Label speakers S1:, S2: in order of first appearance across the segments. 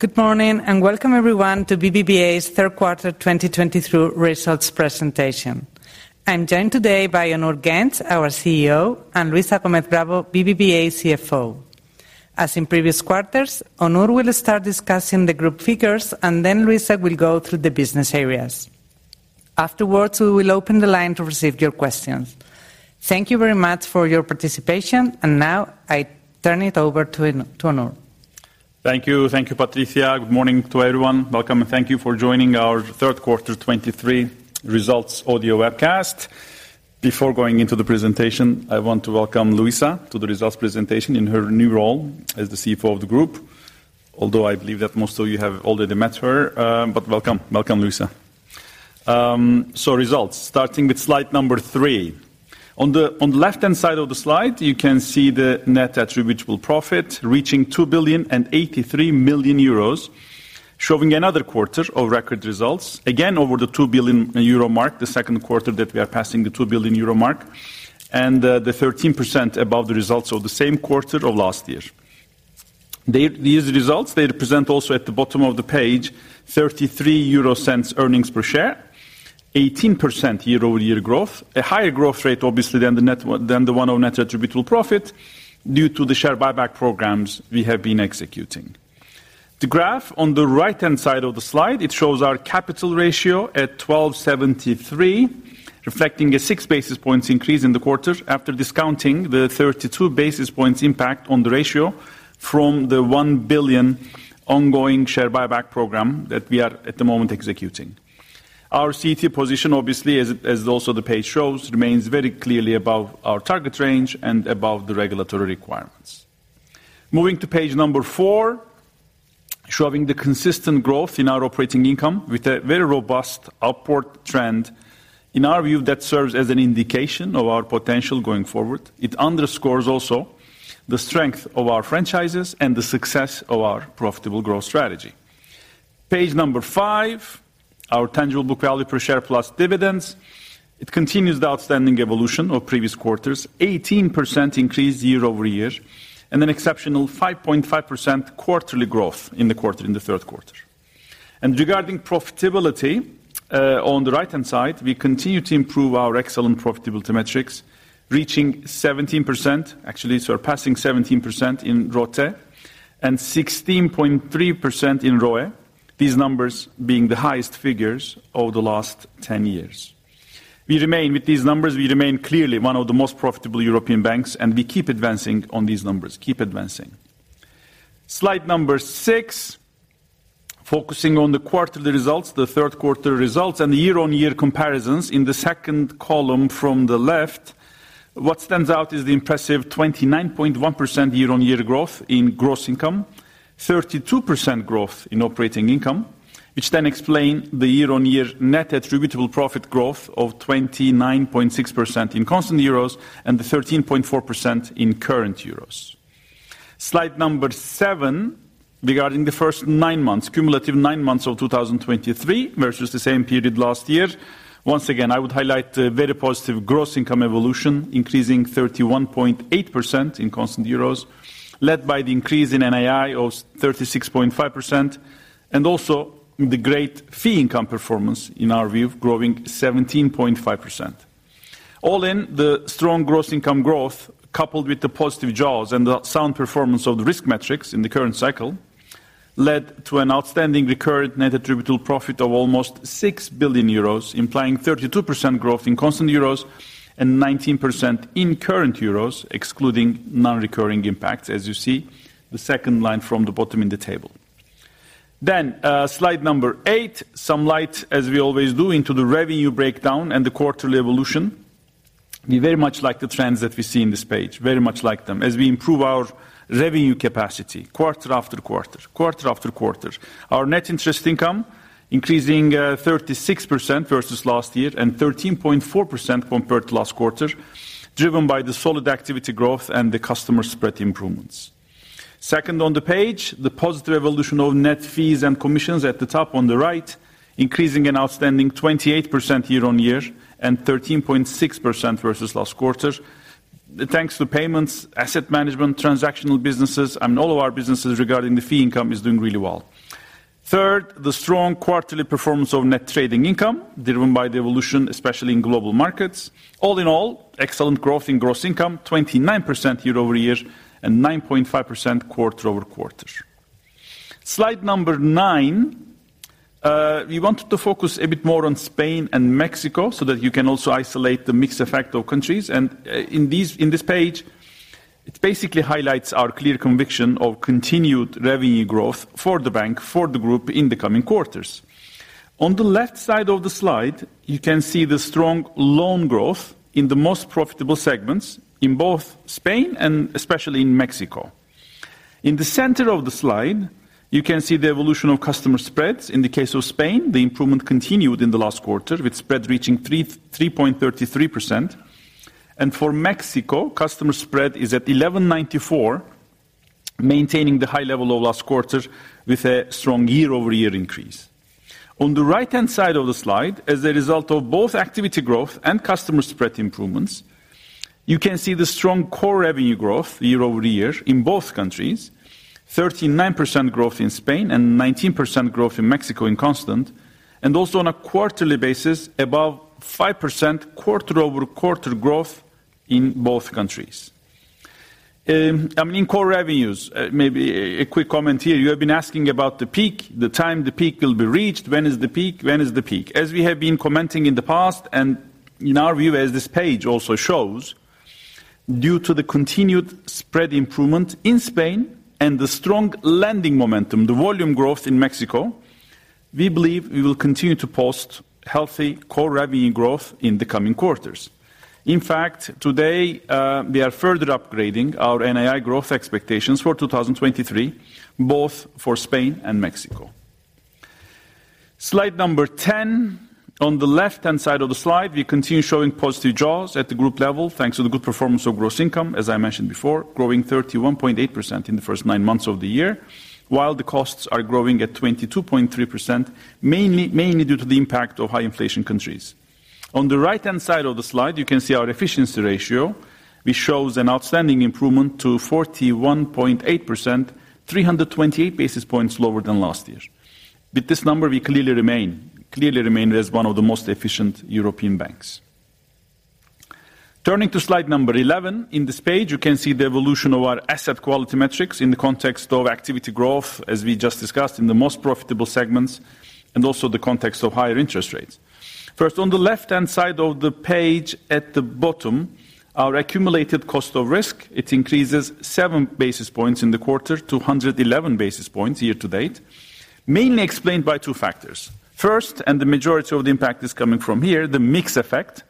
S1: Good morning, and welcome everyone to BBVA's third quarter 2022 results presentation. I'm joined today by Onur Genç, our CEO, and Luisa Gómez Bravo, BBVA CFO. As in previous quarters, Onur will start discussing the group figures, and then Luisa will go through the business areas. Afterwards, we will open the line to receive your questions. Thank you very much for your participation, and now I turn it over to Onur.
S2: Thank you. Thank you, Patricia. Good morning to everyone. Welcome, and thank you for joining our third quarter 2023 results audio webcast. Before going into the presentation, I want to welcome Luisa to the results presentation in her new role as the CFO of the group. Although I believe that most of you have already met her, but welcome. Welcome, Luisa. So results, starting with slide number 3. On the left-hand side of the slide, you can see the net attributable profit reaching 2,083 million euros, showing another quarter of record results, again, over the 2 billion euro mark, the second quarter that we are passing the 2 billion euro mark, and, the 13% above the results of the same quarter of last year. These results, they represent also, at the bottom of the page, 0.33 earnings per share, 18% year-over-year growth, a higher growth rate, obviously, than the one of net attributable profit due to the share buyback programs we have been executing. The graph on the right-hand side of the slide, it shows our capital ratio at 12.73, reflecting a 6 basis points increase in the quarter after discounting the 32 basis points impact on the ratio from the 1 billion ongoing share buyback program that we are at the moment executing. Our CET1 position, obviously, as also the page shows, remains very clearly above our target range and above the regulatory requirements. Moving to page 4, showing the consistent growth in our operating income with a very robust upward trend. In our view, that serves as an indication of our potential going forward. It underscores also the strength of our franchises and the success of our profitable growth strategy. Page number 5, our Tangible Book Value per Share plus dividends. It continues the outstanding evolution of previous quarters, 18% increase year-over-year, and an exceptional 5.5% quarterly growth in the quarter, in the third quarter. Regarding profitability, on the right-hand side, we continue to improve our excellent profitability metrics, reaching 17%, actually surpassing 17% in ROTE and 16.3% in ROE, these numbers being the highest figures over the last 10 years. We remain... With these numbers, we remain clearly one of the most profitable European banks, and we keep advancing on these numbers, keep advancing. Slide number 6, focusing on the quarterly results, the third quarter results, and the year-on-year comparisons in the second column from the left. What stands out is the impressive 29.1% year-on-year growth in gross income, 32% growth in operating income, which then explain the year-on-year net attributable profit growth of 29.6% in constant euros and the 13.4% in current euros. Slide number 7, regarding the first nine months, cumulative nine months of 2023 versus the same period last year. Once again, I would highlight the very positive gross income evolution, increasing 31.8% in constant euros, led by the increase in NII of 36.5%, and also the great fee income performance, in our view, growing 17.5%. All in, the strong gross income growth, coupled with the positive jaws and the sound performance of the risk metrics in the current cycle, led to an outstanding recurrent net attributable profit of almost 6 billion euros, implying 32% growth in constant euros and 19% in current euros, excluding non-recurring impacts, as you see the second line from the bottom in the table. Then, slide 8, some light, as we always do, into the revenue breakdown and the quarterly evolution. We very much like the trends that we see in this page, very much like them, as we improve our revenue capacity quarter after quarter, quarter after quarter. Our net interest income increasing, 36% versus last year and 13.4% compared to last quarter, driven by the solid activity growth and the customer spread improvements. Second on the page, the positive evolution of net fees and commissions at the top on the right, increasing an outstanding 28% year-on-year and 13.6% versus last quarter. Thanks to payments, asset management, transactional businesses, and all of our businesses regarding the fee income is doing really well. Third, the strong quarterly performance of net trading income, driven by the evolution, especially in global markets. All in all, excellent growth in gross income, 29% year-over-year and 9.5% quarter-over-quarter. Slide number nine, we wanted to focus a bit more on Spain and Mexico so that you can also isolate the mix effect of countries. In this page, it basically highlights our clear conviction of continued revenue growth for the bank, for the group in the coming quarters. On the left side of the slide, you can see the strong loan growth in the most profitable segments in both Spain and especially in Mexico. In the center of the slide, you can see the evolution of customer spreads. In the case of Spain, the improvement continued in the last quarter, with spread reaching 3.33%. And for Mexico, customer spread is at 11.94%, maintaining the high level of last quarter with a strong year-over-year increase. On the right-hand side of the slide, as a result of both activity growth and customer spread improvements, you can see the strong core revenue growth year-over-year in both countries, 13.9% growth in Spain and 19% growth in Mexico in constant, and also on a quarterly basis, above 5% quarter-over-quarter growth in both countries. I mean, in core revenues, maybe a quick comment here. You have been asking about the peak, the time the peak will be reached. When is the peak? When is the peak? As we have been commenting in the past, and in our view, as this page also shows, due to the continued spread improvement in Spain and the strong lending momentum, the volume growth in Mexico, we believe we will continue to post healthy core revenue growth in the coming quarters. In fact, today, we are further upgrading our NII growth expectations for 2023, both for Spain and Mexico. Slide number 10. On the left-hand side of the slide, we continue showing positive jaws at the group level, thanks to the good performance of gross income, as I mentioned before, growing 31.8% in the first nine months of the year, while the costs are growing at 22.3%, mainly due to the impact of high inflation countries. On the right-hand side of the slide, you can see our efficiency ratio, which shows an outstanding improvement to 41.8%, 328 basis points lower than last year. With this number, we clearly remain as one of the most efficient European banks. Turning to slide number 11, in this page, you can see the evolution of our asset quality metrics in the context of activity growth, as we just discussed in the most profitable segments, and also the context of higher interest rates. First, on the left-hand side of the page at the bottom, our accumulated cost of risk, it increases 7 basis points in the quarter to 111 basis points year to date, mainly explained by two factors: First, and the majority of the impact is coming from here, the mix effect,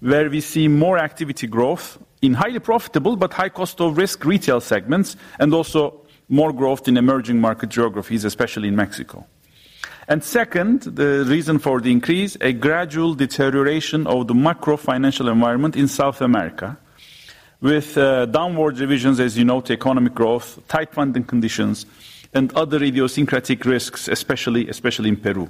S2: where we see more activity growth in highly profitable but high cost of risk retail segments, and also more growth in emerging market geographies, especially in Mexico. Second, the reason for the increase, a gradual deterioration of the macro financial environment in South America with downward revisions, as you know, to economic growth, tight funding conditions, and other idiosyncratic risks, especially, especially in Peru.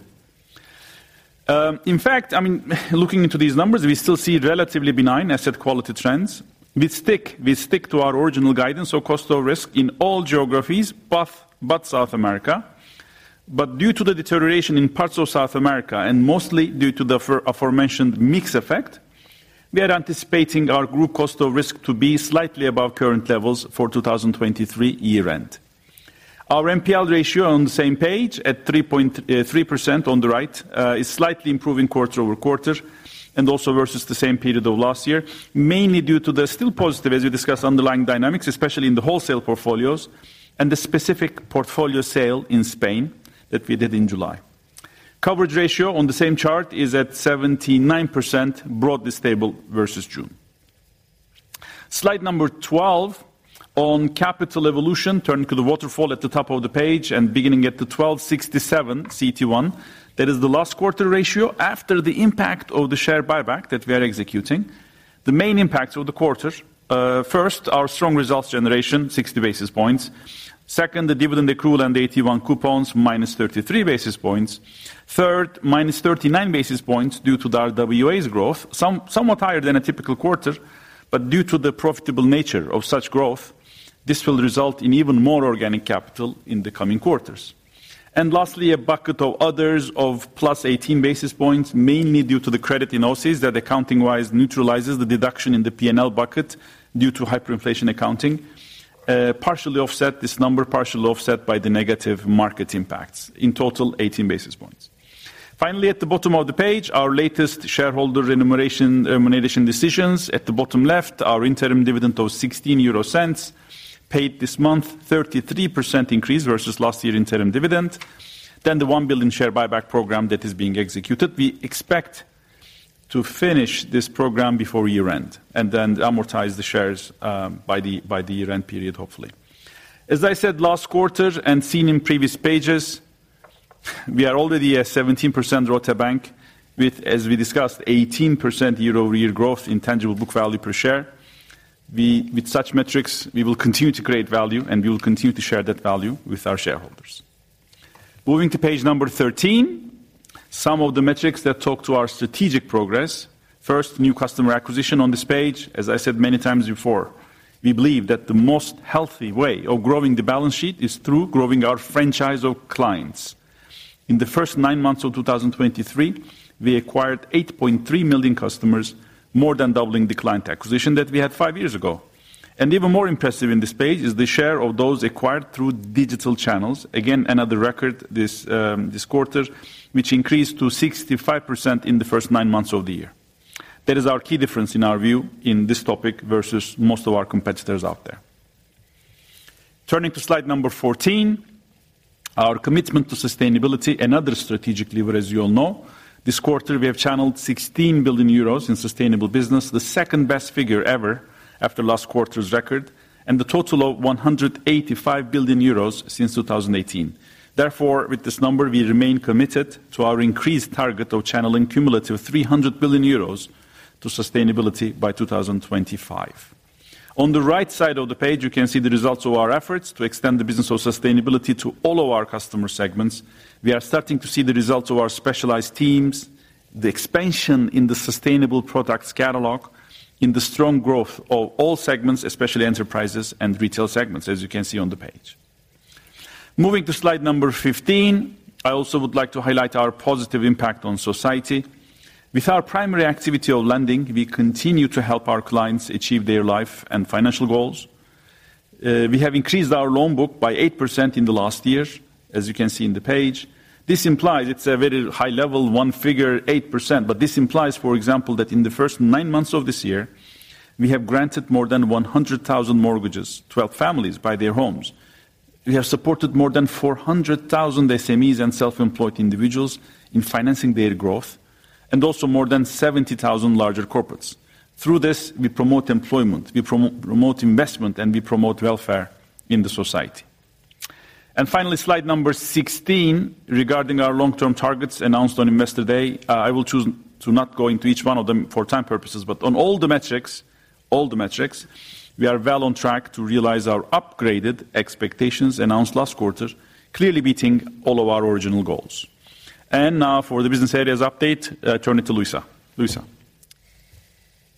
S2: In fact, I mean, looking into these numbers, we still see relatively benign asset quality trends. We stick, we stick to our original guidance on cost of risk in all geographies, but South America. But due to the deterioration in parts of South America, and mostly due to the aforementioned mix effect, we are anticipating our group cost of risk to be slightly above current levels for 2023 year-end. Our NPL ratio on the same page at 3.3% on the right is slightly improving quarter-over-quarter and also versus the same period of last year, mainly due to the still positive, as we discussed, underlying dynamics, especially in the wholesale portfolios and the specific portfolio sale in Spain that we did in July. Coverage ratio on the same chart is at 79%, broadly stable versus June. Slide 12 on capital evolution, turning to the waterfall at the top of the page and beginning at the 12.67 CET1, that is the last quarter ratio. After the impact of the share buyback that we are executing, the main impacts of the quarter, first, our strong results generation, 60 basis points. Second, the dividend accrued and the AT1 coupons, -33 basis points. Third, minus 39 basis points due to the RWA growth, somewhat higher than a typical quarter, but due to the profitable nature of such growth, this will result in even more organic capital in the coming quarters. Lastly, a bucket of others of plus 18 basis points, mainly due to the credit in OCIs that accounting-wise neutralizes the deduction in the P&L bucket due to hyperinflation accounting. Partially offset this number, partially offset by the negative market impacts, in total, 18 basis points. Finally, at the bottom of the page, our latest shareholder remuneration, remuneration decisions. At the bottom left, our interim dividend of 0.16, paid this month, 33% increase versus last year interim dividend. Then the 1 billion share buyback program that is being executed. We expect to finish this program before year-end and then amortize the shares by the year-end period, hopefully. As I said last quarter and seen in previous pages, we are already a 17% ROTE bank with, as we discussed, 18% year-over-year growth in tangible book value per share. With such metrics, we will continue to create value, and we will continue to share that value with our shareholders. Moving to page 13, some of the metrics that talk to our strategic progress. First, new customer acquisition on this page. As I said many times before, we believe that the most healthy way of growing the balance sheet is through growing our franchise of clients. In the first 9 months of 2023, we acquired 8.3 million customers, more than doubling the client acquisition that we had 5 years ago. Even more impressive in this page is the share of those acquired through digital channels. Again, another record this quarter, which increased to 65% in the first nine months of the year. That is our key difference in our view in this topic versus most of our competitors out there. Turning to slide number 14, our commitment to sustainability, another strategic lever, as you all know. This quarter, we have channeled 16 billion euros in sustainable business, the second-best figure ever after last quarter's record, and the total of 185 billion euros since 2018. Therefore, with this number, we remain committed to our increased target of channeling cumulative 300 billion euros to sustainability by 2025. On the right side of the page, you can see the results of our efforts to extend the business of sustainability to all of our customer segments. We are starting to see the results of our specialized teams, the expansion in the sustainable products catalog, in the strong growth of all segments, especially enterprises and retail segments, as you can see on the page. Moving to slide number 15, I also would like to highlight our positive impact on society. With our primary activity of lending, we continue to help our clients achieve their life and financial goals. We have increased our loan book by 8% in the last year, as you can see in the page. This implies it's a very high level, one figure, 8%, but this implies, for example, that in the first nine months of this year, we have granted more than 100,000 mortgages to help families buy their homes. We have supported more than 400,000 SMEs and self-employed individuals in financing their growth, and also more than 70,000 larger corporates. Through this, we promote employment, we promote investment, and we promote welfare in the society. And finally, slide number 16, regarding our long-term targets announced on Investor Day, I will choose to not go into each one of them for time purposes, but on all the metrics, all the metrics, we are well on track to realize our upgraded expectations announced last quarter, clearly beating all of our original goals. And now for the business areas update, turn it to Luisa. Luisa?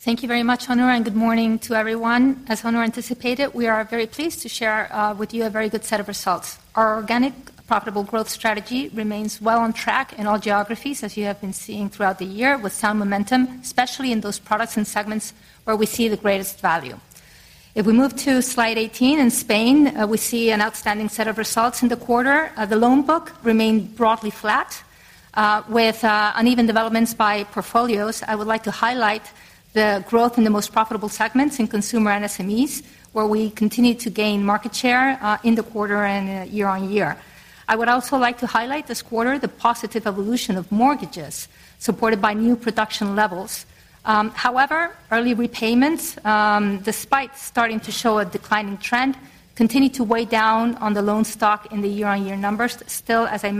S3: Thank you very much, Onur, and good morning to everyone. As Onur anticipated, we are very pleased to share with you a very good set of results. Our organic, profitable growth strategy remains well on track in all geographies, as you have been seeing throughout the year, with sound momentum, especially in those products and segments where we see the greatest value. If we move to slide 18, in Spain, we see an outstanding set of results in the quarter. The loan book remained broadly flat, with uneven developments by portfolios. I would like to highlight the growth in the most profitable segments in consumer and SMEs, where we continued to gain market share in the quarter and year on year. I would also like to highlight this quarter, the positive evolution of mortgages, supported by new production levels. However, early repayments, despite starting to show a declining trend, continued to weigh down on the loan stock in the year-over-year numbers. Still, as I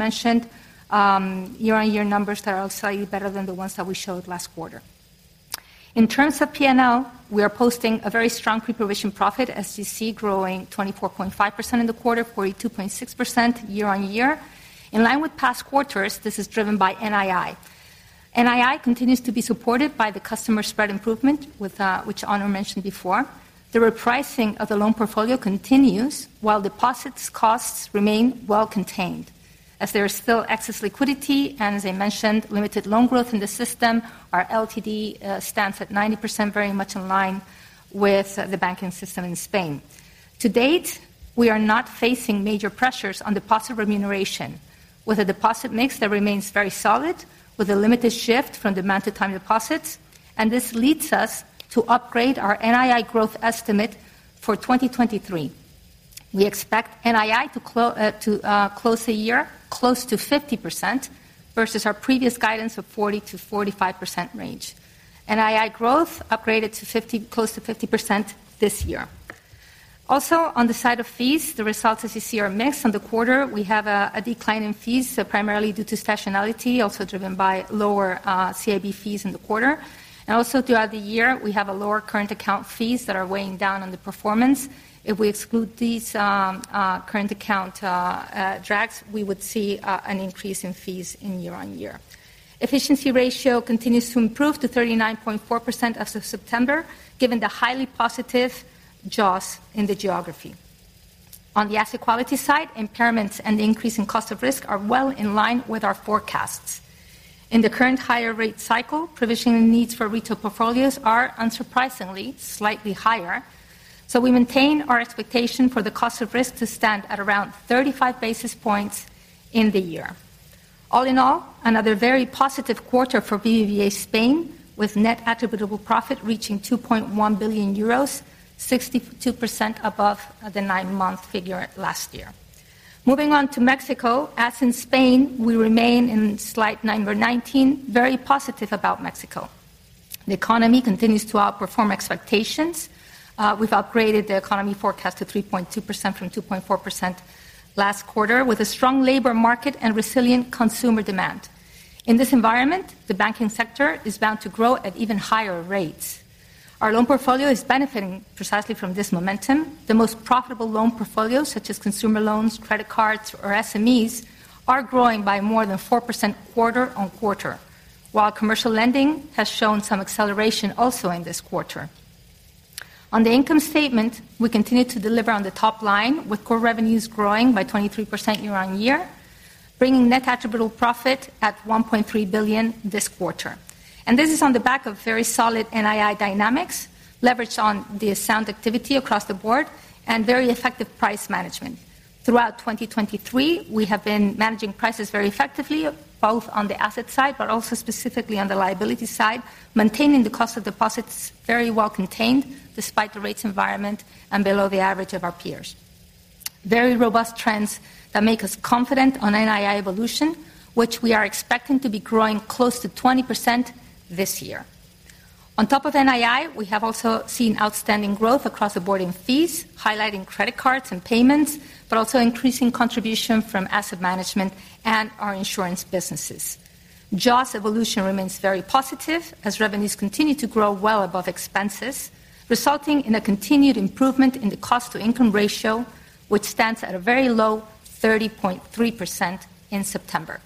S3: mentioned, year-over-year numbers are slightly better than the ones that we showed last quarter. In terms of P&L, we are posting a very strong pre-provision profit, as you see, growing 24.5% in the quarter, 42.6% year-over-year. In line with past quarters, this is driven by NII. NII continues to be supported by the customer spread improvement, with which Onur mentioned before. The repricing of the loan portfolio continues, while deposit costs remain well contained. As there is still excess liquidity, and as I mentioned, limited loan growth in the system, our LTD stands at 90%, very much in line with the banking system in Spain. To date, we are not facing major pressures on deposit remuneration, with a deposit mix that remains very solid, with a limited shift from demand to time deposits, and this leads us to upgrade our NII growth estimate for 2023. We expect NII to close the year close to 50% versus our previous guidance of 40%-45% range. NII growth upgraded to 50, close to 50% this year. Also, on the side of fees, the results, as you see, are mixed. On the quarter, we have a decline in fees, primarily due to seasonality, also driven by lower CIB fees in the quarter. And also throughout the year, we have lower current account fees that are weighing down on the performance. If we exclude these, current account drags, we would see an increase in fees year-over-year. Efficiency ratio continues to improve to 39.4% as of September, given the highly positive jaws in the geography. On the asset quality side, impairments and the increase in cost of risk are well in line with our forecasts. In the current higher rate cycle, provisioning needs for retail portfolios are unsurprisingly, slightly higher. So we maintain our expectation for the cost of risk to stand at around 35 basis points in the year. All in all, another very positive quarter for BBVA Spain, with net attributable profit reaching 2.1 billion euros, 62% above the nine-month figure last year. Moving on to Mexico. As in Spain, we remain in slide number 19, very positive about Mexico. The economy continues to outperform expectations. We've upgraded the economy forecast to 3.2% from 2.4% last quarter, with a strong labor market and resilient consumer demand. In this environment, the banking sector is bound to grow at even higher rates. Our loan portfolio is benefiting precisely from this momentum. The most profitable loan portfolios, such as consumer loans, credit cards, or SMEs, are growing by more than 4% quarter-on-quarter, while commercial lending has shown some acceleration also in this quarter. On the income statement, we continued to deliver on the top line, with core revenues growing by 23% year-on-year, bringing net attributable profit at 1.3 billion this quarter. And this is on the back of very solid NII dynamics, leveraged on the sound activity across the board, and very effective price management. Throughout 2023, we have been managing prices very effectively, both on the asset side, but also specifically on the liability side, maintaining the cost of deposits very well contained despite the rates environment and below the average of our peers. Very robust trends that make us confident on NII evolution, which we are expecting to be growing close to 20% this year. On top of NII, we have also seen outstanding growth across the board in fees, highlighting credit cards and payments, but also increasing contribution from asset management and our insurance businesses. Jaws evolution remains very positive as revenues continue to grow well above expenses, resulting in a continued improvement in the cost-to-income ratio, which stands at a very low 30.3% in September.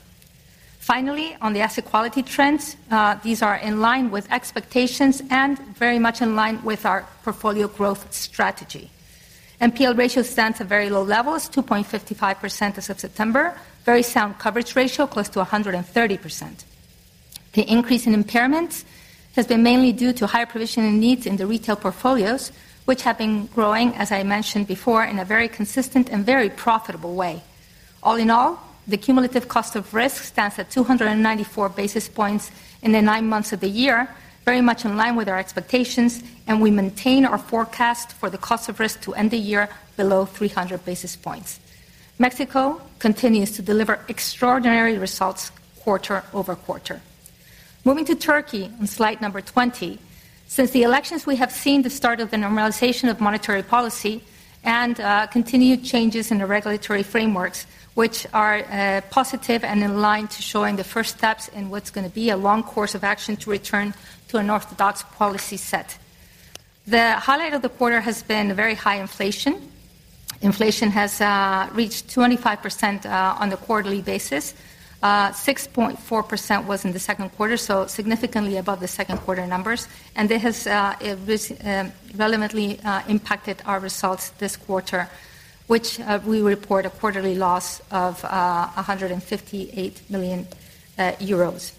S3: Finally, on the asset quality trends, these are in line with expectations and very much in line with our portfolio growth strategy. NPL ratio stands at very low levels, 2.55% as of September. Very sound coverage ratio, close to 130%. The increase in impairments has been mainly due to higher provisioning needs in the retail portfolios, which have been growing, as I mentioned before, in a very consistent and very profitable way. All in all, the cumulative cost of risk stands at 294 basis points in the nine months of the year, very much in line with our expectations, and we maintain our forecast for the cost of risk to end the year below 300 basis points. Mexico continues to deliver extraordinary results quarter over quarter. Moving to Turkey, on slide number 20. Since the elections, we have seen the start of the normalization of monetary policy and continued changes in the regulatory frameworks, which are positive and in line to showing the first steps in what's gonna be a long course of action to return to an orthodox policy set. The highlight of the quarter has been very high inflation. Inflation has reached 25% on the quarterly basis. 6.4% was in the second quarter, so significantly above the second quarter numbers, and this has relevantly impacted our results this quarter, which we report a quarterly loss of 158 million euros.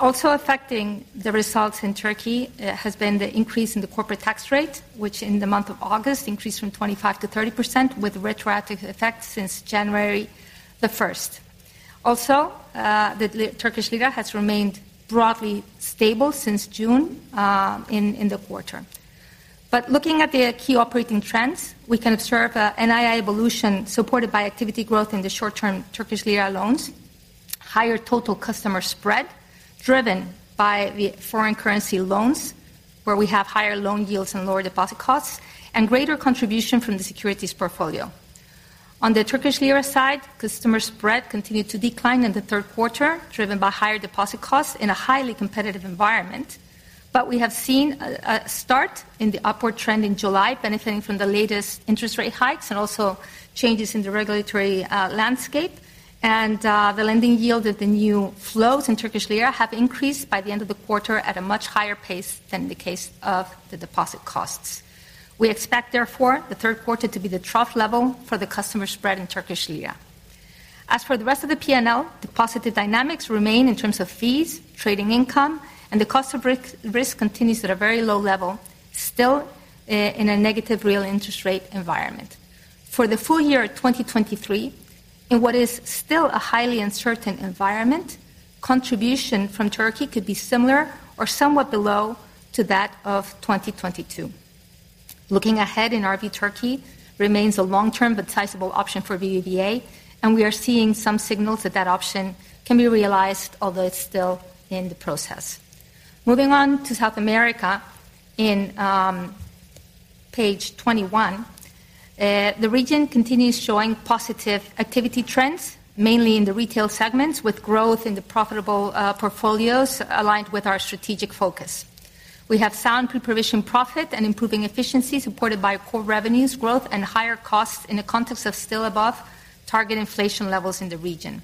S3: Also affecting the results in Turkey has been the increase in the corporate tax rate, which in the month of August increased from 25% to 30% with retroactive effect since January 1. Also, the Turkish lira has remained broadly stable since June, in the quarter. But looking at the key operating trends, we can observe a NII evolution supported by activity growth in the short-term Turkish lira loans, higher total customer spread, driven by the foreign currency loans, where we have higher loan yields and lower deposit costs, and greater contribution from the securities portfolio. On the Turkish lira side, customer spread continued to decline in the third quarter, driven by higher deposit costs in a highly competitive environment. But we have seen a start in the upward trend in July, benefiting from the latest interest rate hikes and also changes in the regulatory landscape. And the lending yield of the new flows in Turkish lira have increased by the end of the quarter at a much higher pace than the case of the deposit costs. We expect, therefore, the third quarter to be the trough level for the customer spread in Turkish lira. As for the rest of the PNL, the positive dynamics remain in terms of fees, trading income, and the cost of risk continues at a very low level, still in a negative real interest rate environment. For the full year 2023, in what is still a highly uncertain environment, contribution from Turkey could be similar or somewhat below to that of 2022. Looking ahead, in our view, Turkey remains a long-term but sizable option for BBVA, and we are seeing some signals that that option can be realized, although it's still in the process. Moving on to South America, in page 21, the region continues showing positive activity trends, mainly in the retail segments, with growth in the profitable portfolios aligned with our strategic focus. We have sound preprovision profit and improving efficiency, supported by core revenues growth and higher costs in the context of still above target inflation levels in the region.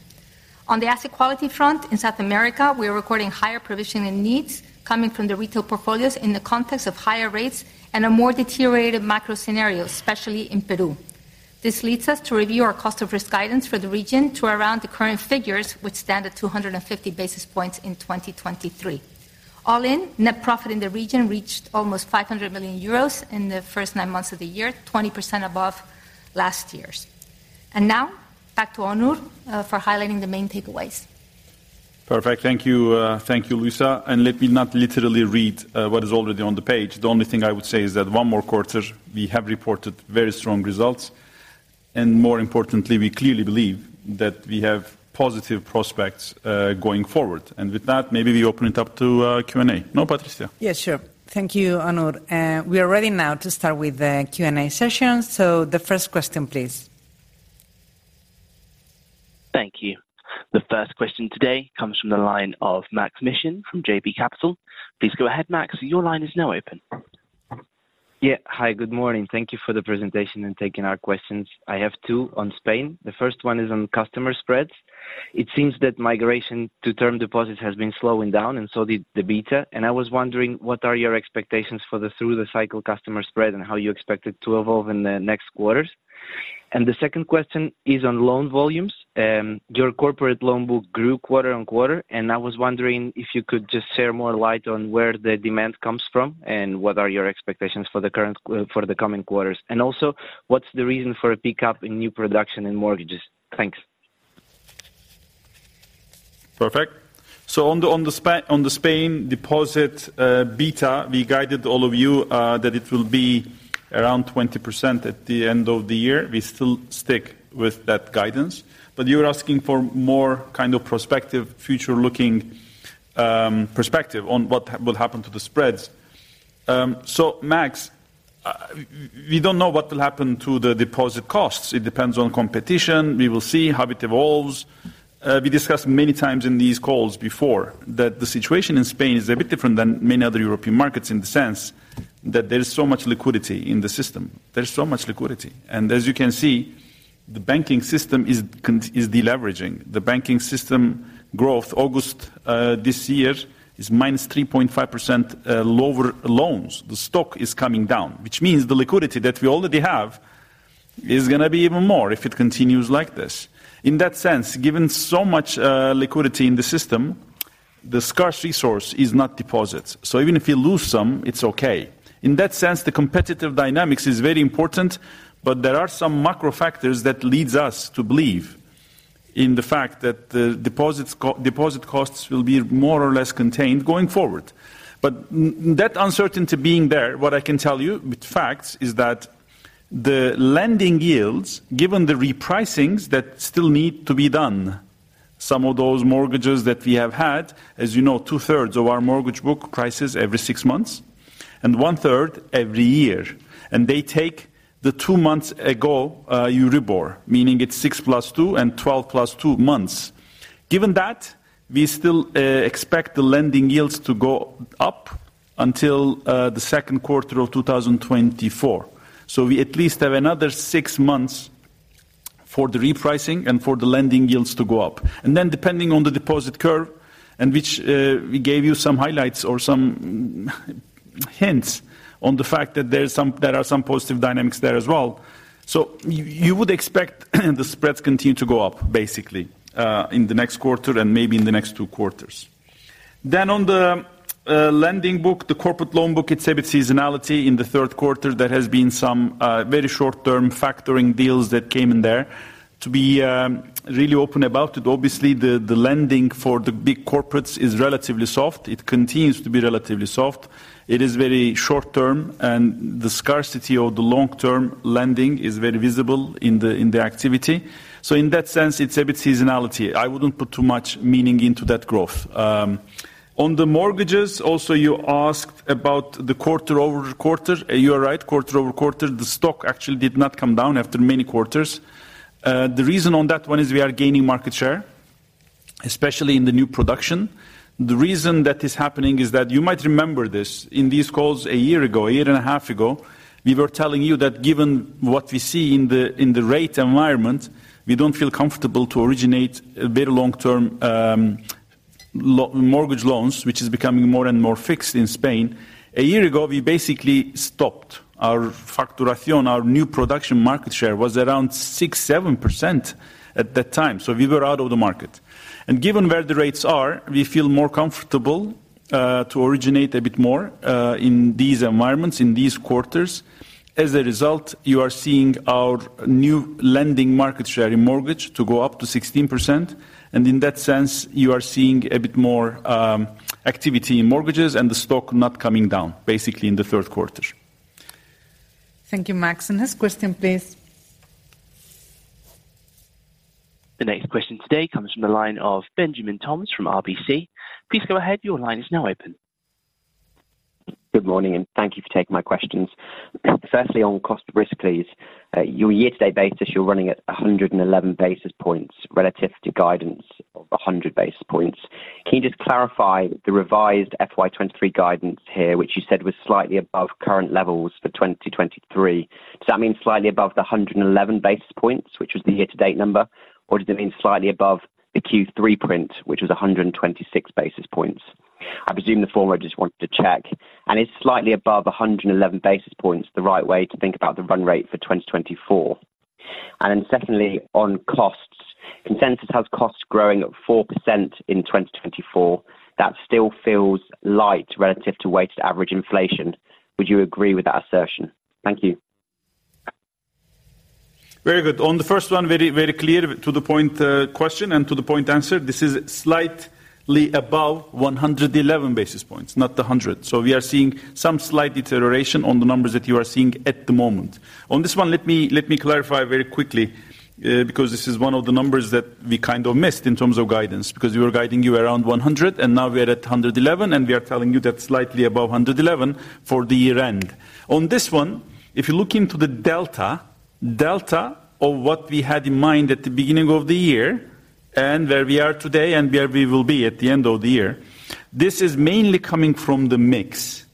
S3: On the asset quality front, in South America, we are recording higher provisioning needs coming from the retail portfolios in the context of higher rates and a more deteriorated macro scenario, especially in Peru. This leads us to review our cost of risk guidance for the region to around the current figures, which stand at 250 basis points in 2023. All in, net profit in the region reached almost 500 million euros in the first nine months of the year, 20% above last year's. Now back to Onur for highlighting the main takeaways.
S2: Perfect. Thank you, thank you, Luisa, and let me not literally read what is already on the page. The only thing I would say is that one more quarter, we have reported very strong results, and more importantly, we clearly believe that we have positive prospects going forward. And with that, maybe we open it up to Q&A. No, Patricia?
S1: Yes, sure. Thank you, Onur. We are ready now to start with the Q&A session. The first question, please.
S4: Thank you. The first question today comes from the line of Maks Mishin from JB Capital. Please go ahead, Max. Your line is now open.
S5: Yeah. Hi, good morning. Thank you for the presentation and taking our questions. I have two on Spain. The first one is on customer spreads. It seems that migration to term deposits has been slowing down and so the beta, and I was wondering, what are your expectations for the through-the-cycle customer spread, and how you expect it to evolve in the next quarters? And the second question is on loan volumes. Your corporate loan book grew quarter-on-quarter, and I was wondering if you could just share more light on where the demand comes from, and what are your expectations for the coming quarters. And also, what's the reason for a pickup in new production in mortgages? Thanks.
S2: Perfect. So on the Spain deposit beta, we guided all of you that it will be around 20% at the end of the year. We still stick with that guidance, but you're asking for more kind of prospective, future-looking perspective on what will happen to the spreads. So Max, we don't know what will happen to the deposit costs. It depends on competition. We will see how it evolves. We discussed many times in these calls before, that the situation in Spain is a bit different than many other European markets, in the sense that there is so much liquidity in the system. There's so much liquidity, and as you can see, the banking system is de-leveraging. The banking system growth, August, this year, is -3.5%, lower loans. The stock is coming down, which means the liquidity that we already have is gonna be even more if it continues like this. In that sense, given so much liquidity in the system, the scarce resource is not deposits. So even if you lose some, it's okay. In that sense, the competitive dynamics is very important, but there are some macro factors that leads us to believe in the fact that the deposits co-deposit costs will be more or less contained going forward. But that uncertainty being there, what I can tell you with facts is that the lending yields, given the repricings that still need to be done, some of those mortgages that we have had, as you know, two-thirds of our mortgage book prices every six months and one-third every year. And they take the 2 months ago, Euribor, meaning it's 6 + 2 and 12 + 2 months. Given that, we still expect the lending yields to go up until the second quarter of 2024. So we at least have another 6 months for the repricing and for the lending yields to go up. And then depending on the deposit curve, and which we gave you some highlights or some hints on the fact that there are some positive dynamics there as well. So you would expect the spreads continue to go up, basically, in the next quarter and maybe in the next 2 quarters. Then on the lending book, the corporate loan book, it's a bit seasonality in the third quarter. There has been some very short term factoring deals that came in there. To be really open about it, obviously, the lending for the big corporates is relatively soft. It continues to be relatively soft. It is very short term, and the scarcity of the long-term lending is very visible in the activity. So in that sense, it's a bit seasonality. I wouldn't put too much meaning into that growth. On the mortgages, also, you asked about the quarter-over-quarter. You are right, quarter-over-quarter, the stock actually did not come down after many quarters. The reason on that one is we are gaining market share, especially in the new production. The reason that is happening is that, you might remember this, in these calls a year ago, a year and a half ago, we were telling you that given what we see in the, in the rate environment, we don't feel comfortable to originate a very long-term, mortgage loans, which is becoming more and more fixed in Spain. A year ago, we basically stopped. Our facturación, our new production market share, was around 6%-7% at that time, so we were out of the market. And given where the rates are, we feel more comfortable to originate a bit more in these environments, in these quarters. As a result, you are seeing our new lending market share in mortgage to go up to 16%, and in that sense, you are seeing a bit more activity in mortgages and the stock not coming down, basically in the third quarter.
S1: Thank you, Max. Next question, please.
S4: The next question today comes from the line of Benjamin Toms from RBC. Please go ahead. Your line is now open.
S6: Good morning, and thank you for taking my questions. Firstly, on cost of risk, please. On a year-to-date basis, you're running at 111 basis points relative to guidance of 100 basis points. Can you just clarify the revised FY 2023 guidance here, which you said was slightly above current levels for 2023? Does that mean slightly above the 111 basis points, which was the year-to-date number, or does it mean slightly above the Q3 print, which was 126 basis points? I presume the former. I just wanted to check. And is slightly above 111 basis points the right way to think about the run rate for 2024? And then secondly, on costs. Consensus has costs growing at 4% in 2024. That still feels light relative to weighted average inflation. Would you agree with that assertion? Thank you.
S2: Very good. On the first one, very, very clear to the point, question and to the point answer. This is slightly above 111 basis points, not the 100. So we are seeing some slight deterioration on the numbers that you are seeing at the moment. On this one, let me, let me clarify very quickly, because this is one of the numbers that we kind of missed in terms of guidance, because we were guiding you around 100, and now we're at 111, and we are telling you that slightly above 111 for the year-end. On this one, if you look into the delta, delta of what we had in mind at the beginning of the year and where we are today and where we will be at the end of the year, this is mainly coming from the mix.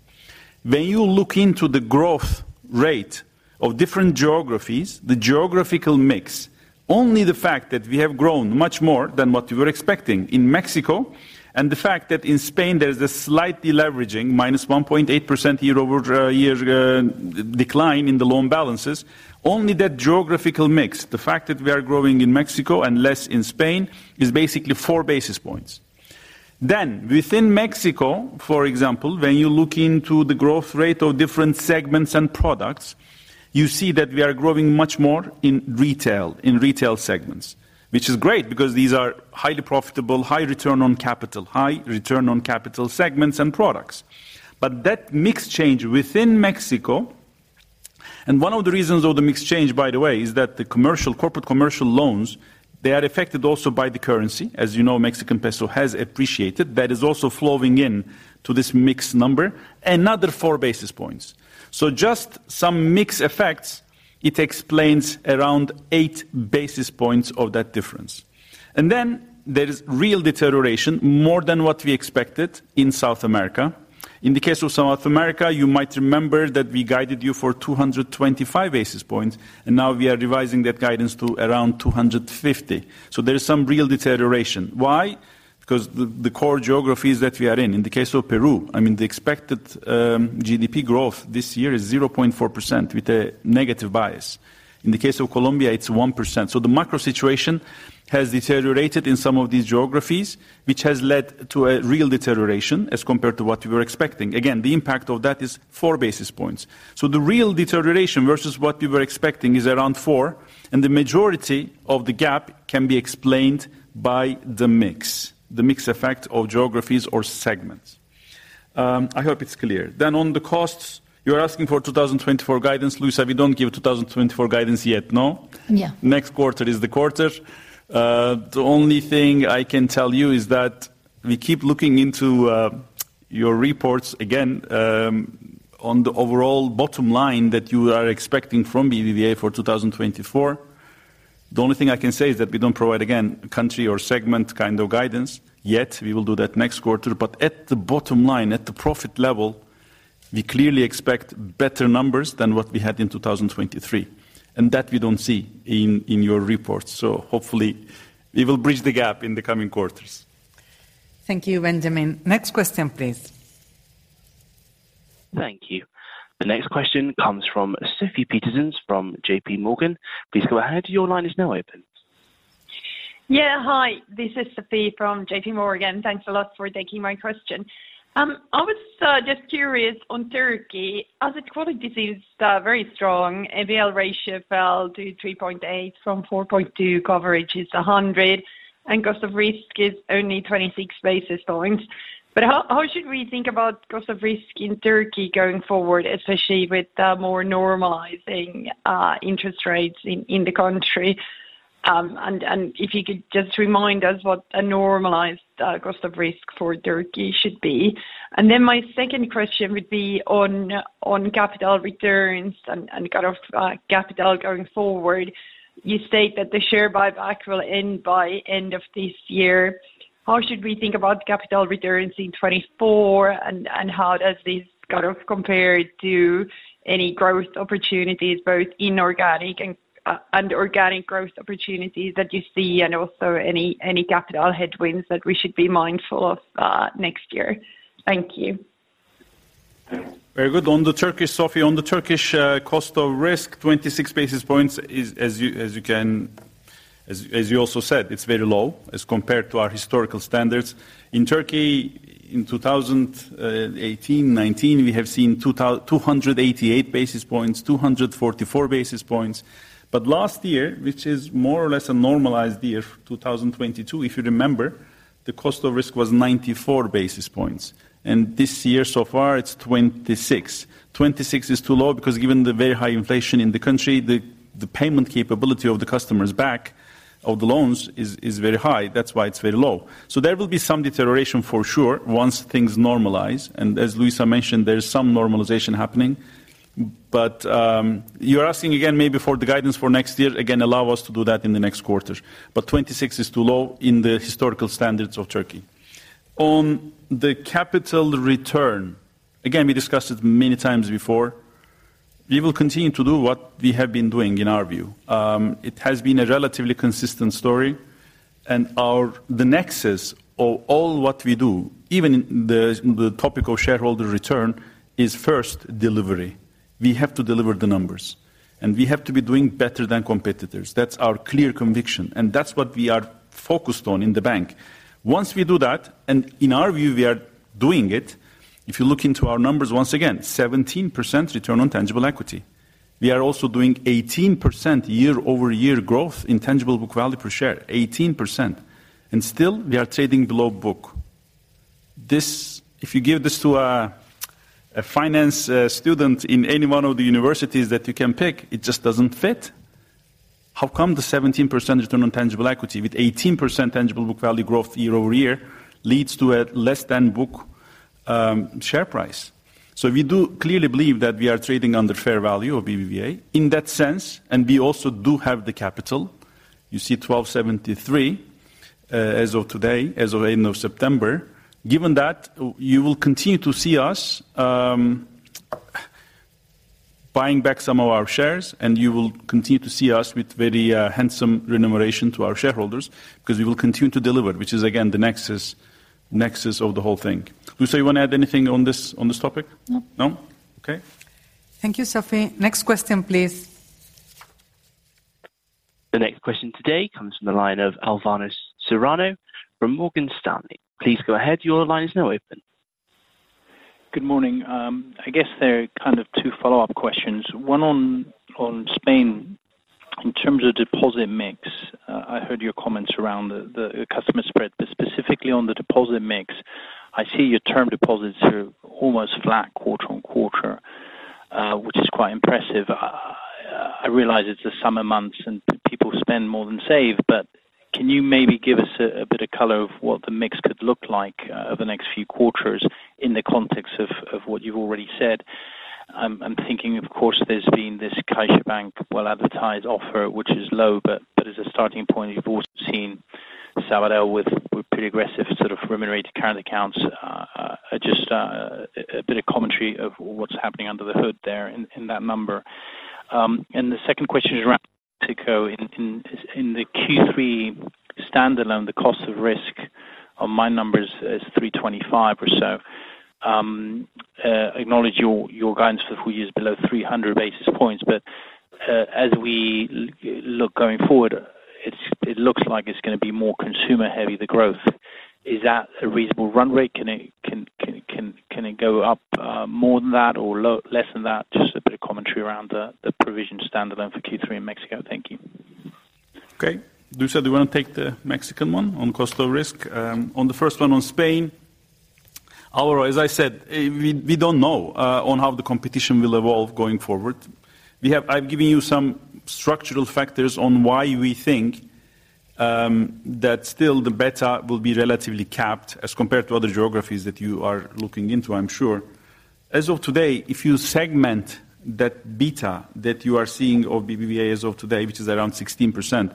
S2: When you look into the growth rate of different geographies, the geographical mix, only the fact that we have grown much more than what we were expecting in Mexico, and the fact that in Spain there is a slight deleveraging, minus 1.8% year-over-year decline in the loan balances, only that geographical mix, the fact that we are growing in Mexico and less in Spain, is basically four basis points. Then, within Mexico, for example, when you look into the growth rate of different segments and products, you see that we are growing much more in retail, in retail segments, which is great because these are highly profitable, high return on capital, high return on capital segments and products. But that mix change within Mexico, and one of the reasons of the mix change, by the way, is that the commercial, corporate commercial loans, they are affected also by the currency. As you know, the Mexican peso has appreciated. That is also flowing into this mix number, another 4 basis points. So just some mix FX it explains around 8 basis points of that difference. And then there is real deterioration, more than what we expected, in South America. In the case of South America, you might remember that we guided you for 225 basis points, and now we are revising that guidance to around 250. So there is some real deterioration. Why? Because the core geographies that we are in, in the case of Peru, I mean, the expected GDP growth this year is 0.4%, with a negative bias. In the case of Colombia, it's 1%. So the macro situation has deteriorated in some of these geographies, which has led to a real deterioration as compared to what we were expecting. Again, the impact of that is four basis points. So the real deterioration versus what we were expecting is around 4, and the majority of the gap can be explained by the mix, the mix effect of geographies or segments. I hope it's clear. Then on the costs, you are asking for 2024 guidance, Luisa, we don't give 2024 guidance yet, no?
S3: Yeah. Next quarter is the quarter. The only thing I can tell you is that we keep looking into your reports again on the overall bottom line that you are expecting from BBVA for 2024. The only thing I can say is that we don't provide, again, country or segment kind of guidance, yet. We will do that next quarter. But at the bottom line, at the profit level, we clearly expect better numbers than what we had in 2023, and that we don't see in your report. So hopefully, we will bridge the gap in the coming quarters.
S1: Thank you, Benjamin. Next question, please.
S4: Thank you. The next question comes from Sofie Peterzens from JP Morgan. Please go ahead. Your line is now open.
S7: Yeah, hi, this is Sophie from JP Morgan. Thanks a lot for taking my question. I was just curious on Turkey, as the credit quality very strong, NPL ratio fell to 3.8 from 4.2, coverage is 100, and cost of risk is only 26 basis points. But how should we think about cost of risk in Turkey going forward, especially with the more normalizing interest rates in the country? And if you could just remind us what a normalized cost of risk for Turkey should be. And then my second question would be on capital returns and kind of capital going forward. You state that the share buyback will end by end of this year. How should we think about capital returns in 2024, and how does this kind of compare to any growth opportunities, both inorganic and organic growth opportunities that you see, and also any capital headwinds that we should be mindful of next year? Thank you.
S2: Very good. On the Turkish, Sophie, on the Turkish cost of risk, 26 basis points is as you, as you can... As, as you also said, it's very low as compared to our historical standards. In Turkey, in 2018, 2019, we have seen 288 basis points, 244 basis points. But last year, which is more or less a normalized year, 2022, if you remember, the cost of risk was 94 basis points, and this year, so far, it's 26. 26 is too low because given the very high inflation in the country, the payment capability of the customers back of the loans is very high. That's why it's very low. So there will be some deterioration for sure once things normalize, and as Luisa mentioned, there is some normalization happening. But, you're asking again, maybe for the guidance for next year. Again, allow us to do that in the next quarter. But 26 is too low in the historical standards of Turkey. On the capital return, again, we discussed it many times before. We will continue to do what we have been doing, in our view. It has been a relatively consistent story, and our - the nexus of all what we do, even in the, the topic of shareholder return, is first, delivery. We have to deliver the numbers, and we have to be doing better than competitors. That's our clear conviction, and that's what we are focused on in the bank. Once we do that, and in our view, we are doing it, if you look into our numbers, once again, 17% return on tangible equity. We are also doing 18% year-over-year growth in tangible book value per share, 18%, and still, we are trading below book. This. If you give this to a, a finance student in any one of the universities that you can pick, it just doesn't fit. How come the 17% return on tangible equity with 18% tangible book value growth year over year leads to a less than book share price? So we do clearly believe that we are trading under fair value of BBVA. In that sense, and we also do have the capital. You see 12.73 as of today, as of end of September. Given that, you will continue to see us buying back some of our shares, and you will continue to see us with very handsome remuneration to our shareholders because we will continue to deliver, which is again, the nexus, nexus of the whole thing. Luisa, you want to add anything on this, on this topic?
S3: No. No? Okay.
S1: Thank you, Sophie. Next question, please.
S4: ...The next question today comes from the line of Alvaro Serrano from Morgan Stanley. Please go ahead, your line is now open.
S8: Good morning. I guess there are kind of two follow-up questions. One on Spain, in terms of deposit mix. I heard your comments around the customer spread, but specifically on the deposit mix, I see your term deposits are almost flat quarter-on-quarter, which is quite impressive. I realize it's the summer months and people spend more than save, but can you maybe give us a bit of color of what the mix could look like over the next few quarters in the context of what you've already said? I'm thinking, of course, there's been this CaixaBank well-advertised offer, which is low, but as a starting point, you've also seen Sabadell with pretty aggressive sort of remunerated current accounts. Just a bit of commentary of what's happening under the hood there in that number. And the second question is around Mexico. In the Q3 standalone, the cost of risk on my numbers is 325 or so. Acknowledge your guidance for the full year is below 300 basis points, but as we look going forward, it's gonna be more consumer heavy, the growth. Is that a reasonable run rate? Can it go up more than that or less than that? Just a bit of commentary around the provision standalone for Q3 in Mexico. Thank you.
S2: Okay. Luisa, do you want to take the Mexican one on cost of risk? On the first one on Spain, Alvaro, as I said, we don't know on how the competition will evolve going forward. We have... I've given you some structural factors on why we think that still the beta will be relatively capped as compared to other geographies that you are looking into, I'm sure. As of today, if you segment that beta that you are seeing of BBVA as of today, which is around 16%,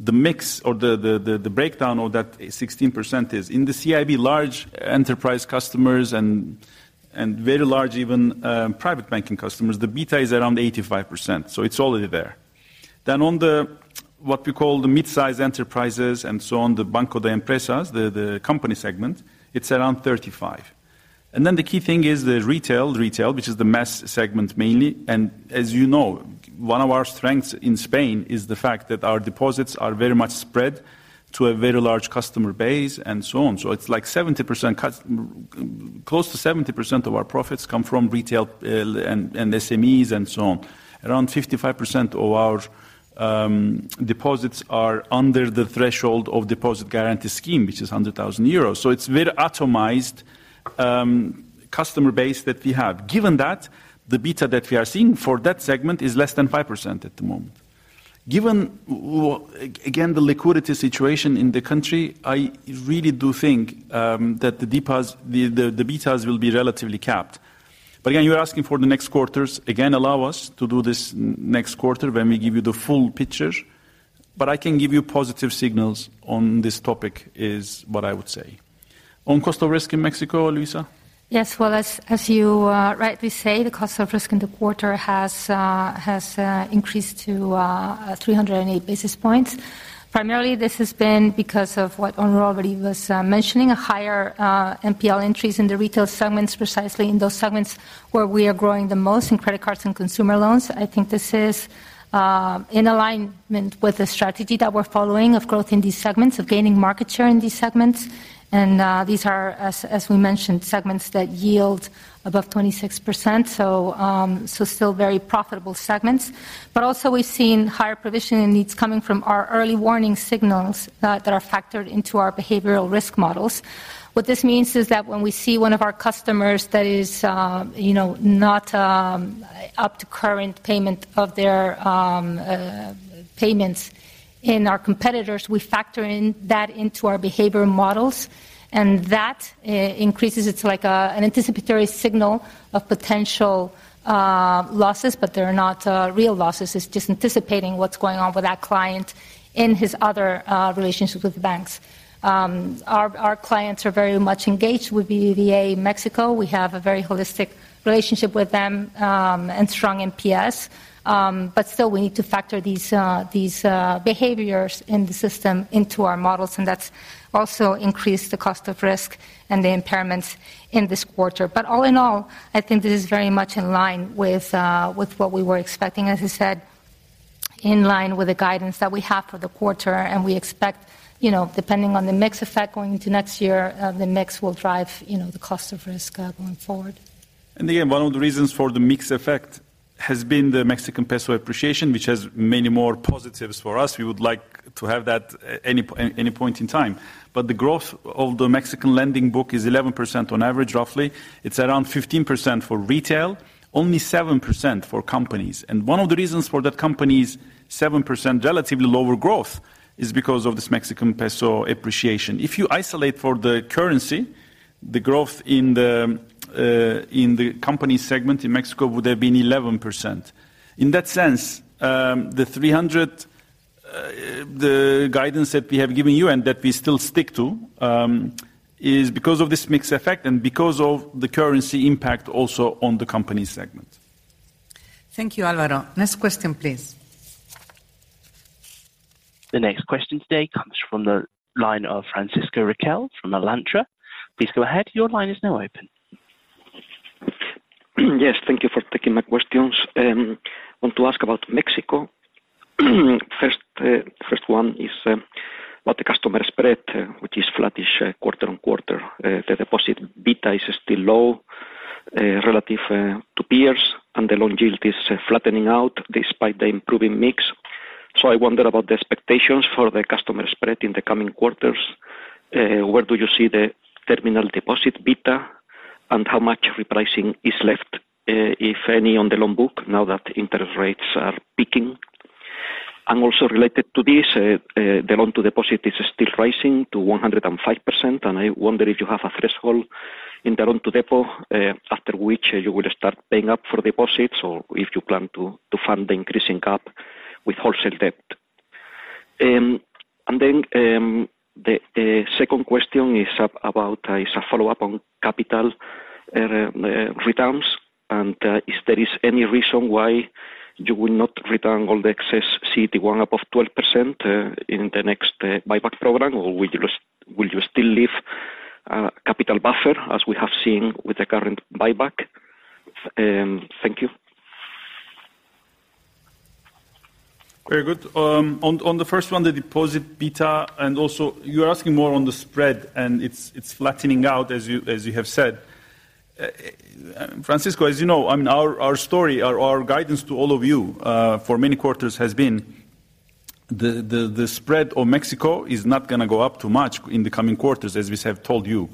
S2: the mix or the breakdown of that 16% is in the CIB large enterprise customers and very large even private banking customers, the beta is around 85%, so it's already there. Then on the, what we call the mid-sized enterprises and so on, the Banca de Empresas, the company segment, it's around 35. And then the key thing is the retail, which is the mass segment mainly, and as you know, one of our strengths in Spain is the fact that our deposits are very much spread to a very large customer base and so on. So it's like close to 70% of our profits come from retail, and SMEs and so on. Around 55% of our deposits are under the threshold of deposit guarantee scheme, which is 100,000 euros. So it's very atomized customer base that we have. Given that, the beta that we are seeing for that segment is less than 5% at the moment. Given again, the liquidity situation in the country, I really do think that the betas will be relatively capped. But again, you're asking for the next quarters. Again, allow us to do this next quarter when we give you the full picture, but I can give you positive signals on this topic, is what I would say. On cost of risk in Mexico, Luisa?
S3: Yes, well, as you rightly say, the cost of risk in the quarter has increased to 308 basis points. Primarily, this has been because of what Alvaro already was mentioning, a higher NPL entries in the retail segments, precisely in those segments where we are growing the most in credit cards and consumer loans. I think this is in alignment with the strategy that we're following of growth in these segments, of gaining market share in these segments. And these are, as we mentioned, segments that yield above 26%, so still very profitable segments. But also, we've seen higher provisioning needs coming from our early warning signals that are factored into our behavioral risk models. What this means is that when we see one of our customers that is, you know, not up to current payment of their payments in our competitors, we factor in that into our behavioral models, and that increases. It's like, an anticipatory signal of potential losses, but they are not real losses. It's just anticipating what's going on with that client in his other relationships with the banks. Our clients are very much engaged with BBVA Mexico. We have a very holistic relationship with them, and strong NPS, but still, we need to factor these behaviors in the system into our models, and that's also increased the cost of risk and the impairments in this quarter. But all in all, I think this is very much in line with what we were expecting, as I said, in line with the guidance that we have for the quarter, and we expect, you know, depending on the mix effect going into next year, the mix will drive, you know, the cost of risk going forward.
S2: Again, one of the reasons for the mix effect has been the Mexican peso appreciation, which has many more positives for us. We would like to have that any point in time. But the growth of the Mexican lending book is 11% on average, roughly. It's around 15% for retail, only 7% for companies. And one of the reasons for that company's 7% relatively lower growth is because of this Mexican peso appreciation. If you isolate for the currency, the growth in the company segment in Mexico would have been 11%. In that sense, the 300, the guidance that we have given you and that we still stick to, is because of this mix effect and because of the currency impact also on the company segment.
S1: Thank you, Alvaro. Next question, please.
S4: The next question today comes from the line of Francisco Riquel from Alantra. Please go ahead, your line is now open....
S9: Yes, thank you for taking my questions. I want to ask about Mexico. First, first one is about the customer spread, which is flattish quarter-on-quarter. The deposit beta is still low, relative to peers, and the loan yield is flattening out despite the improving mix. So I wonder about the expectations for the customer spread in the coming quarters. Where do you see the terminal deposit beta, and how much repricing is left, if any, on the loan book now that interest rates are peaking? Also related to this, the loan to deposit is still rising to 105%, and I wonder if you have a threshold in the loan to depo after which you would start paying up for deposits or if you plan to fund the increasing gap with wholesale debt. Then, the second question is about a follow-up on capital returns, and if there is any reason why you will not return all the excess CET1 above 12% in the next buyback program, or will you still leave capital buffer, as we have seen with the current buyback? Thank you.
S2: Very good. On the first one, the deposit beta, and also you're asking more on the spread, and it's flattening out, as you have said. Francisco, as you know, I mean, our story, our guidance to all of you, for many quarters has been the spread of Mexico is not going to go up too much in the coming quarters, as we have told you.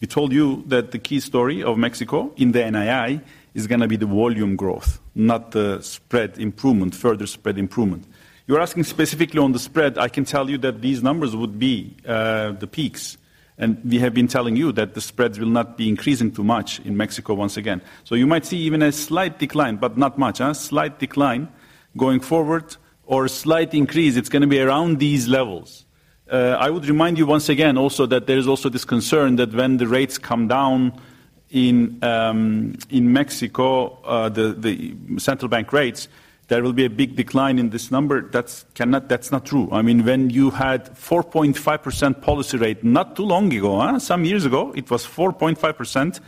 S2: We told you that the key story of Mexico in the NII is going to be the volume growth, not the spread improvement, further spread improvement. You're asking specifically on the spread, I can tell you that these numbers would be the peaks, and we have been telling you that the spreads will not be increasing too much in Mexico once again. So you might see even a slight decline, but not much, a slight decline going forward or a slight increase. It's going to be around these levels. I would remind you once again also that there is also this concern that when the rates come down in in Mexico, the central bank rates, there will be a big decline in this number. That's not true. I mean, when you had 4.5% policy rate not too long ago, some years ago, it was 4.5%,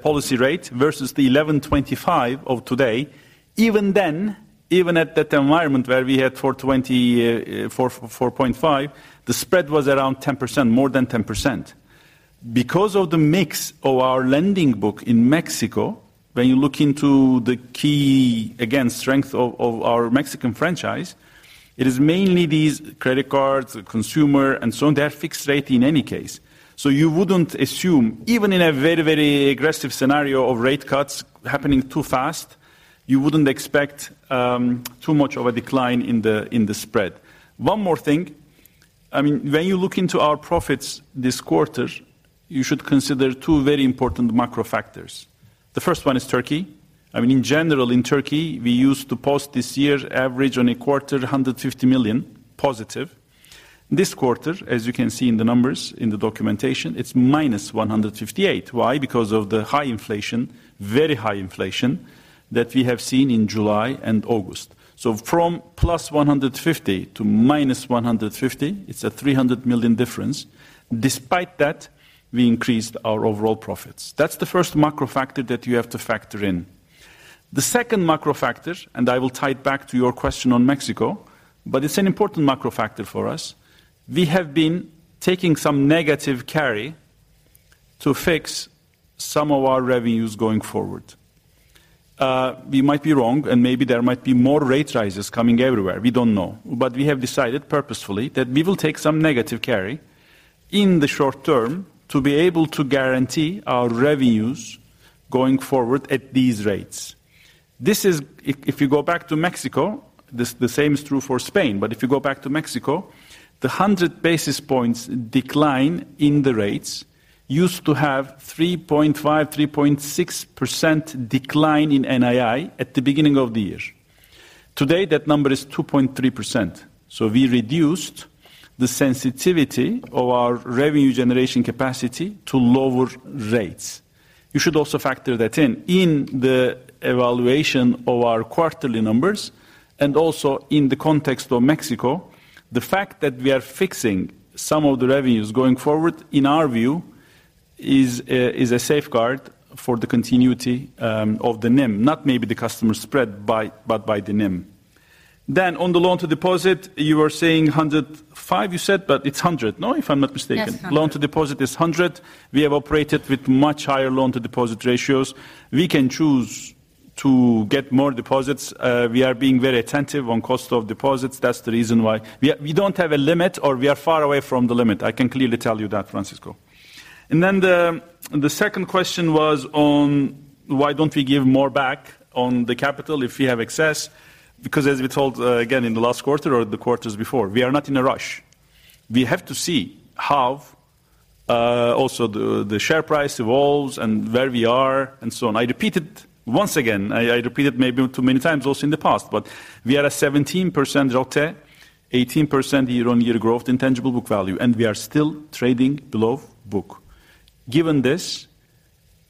S2: policy rate versus the 11.25 of today. Even then, even at that environment where we had four twenty, four, 4.5, the spread was around 10%, more than 10%. Because of the mix of our lending book in Mexico, when you look into the key, again, strength of, of our Mexican franchise, it is mainly these credit cards, consumer, and so on. They are fixed rate in any case. So you wouldn't assume, even in a very, very aggressive scenario of rate cuts happening too fast, you wouldn't expect too much of a decline in the, in the spread. One more thing, I mean, when you look into our profits this quarter, you should consider two very important macro factors. The first one is Turkey. I mean, in general, in Turkey, we used to post this year's average on a quarter, 150 million, positive. This quarter, as you can see in the numbers, in the documentation, it's minus 158 million. Why? Because of the high inflation, very high inflation, that we have seen in July and August. So from +150 to -150, it's a 300 million difference. Despite that, we increased our overall profits. That's the first macro factor that you have to factor in. The second macro factor, and I will tie it back to your question on Mexico, but it's an important macro factor for us. We have been taking some negative carry to fix some of our revenues going forward. We might be wrong, and maybe there might be more rate rises coming everywhere. We don't know. But we have decided purposefully that we will take some negative carry in the short term to be able to guarantee our revenues going forward at these rates. This is... If you go back to Mexico, the same is true for Spain, but if you go back to Mexico, the 100 basis points decline in the rates used to have 3.5, 3.6% decline in NII at the beginning of the year. Today, that number is 2.3%. So we reduced the sensitivity of our revenue generation capacity to lower rates. You should also factor that in, in the evaluation of our quarterly numbers and also in the context of Mexico. The fact that we are fixing some of the revenues going forward, in our view, is a safeguard for the continuity of the NIM, not maybe the customer spread by, but by the NIM. Then on the loan to deposit, you were saying 105, you said, but it's 100, no? If I'm not mistaken.
S9: Yes, hundred.
S3: Loan-to-deposit is 100. We have operated with much higher loan-to-deposit ratios. We can choose to get more deposits. We are being very attentive on cost of deposits. That's the reason why. We, we don't have a limit or we are far away from the limit. I can clearly tell you that, Francisco. And then the, the second question was on why don't we give more back on the capital if we have excess? Because as we told, again, in the last quarter or the quarters before, we are not in a rush. We have to see how, also the, the share price evolves and where we are and so on.
S2: I repeat it once again, I, I repeat it maybe too many times also in the past, but we are a 17% ROTE, 18% year-on-year growth in tangible book value, and we are still trading below book. Given this,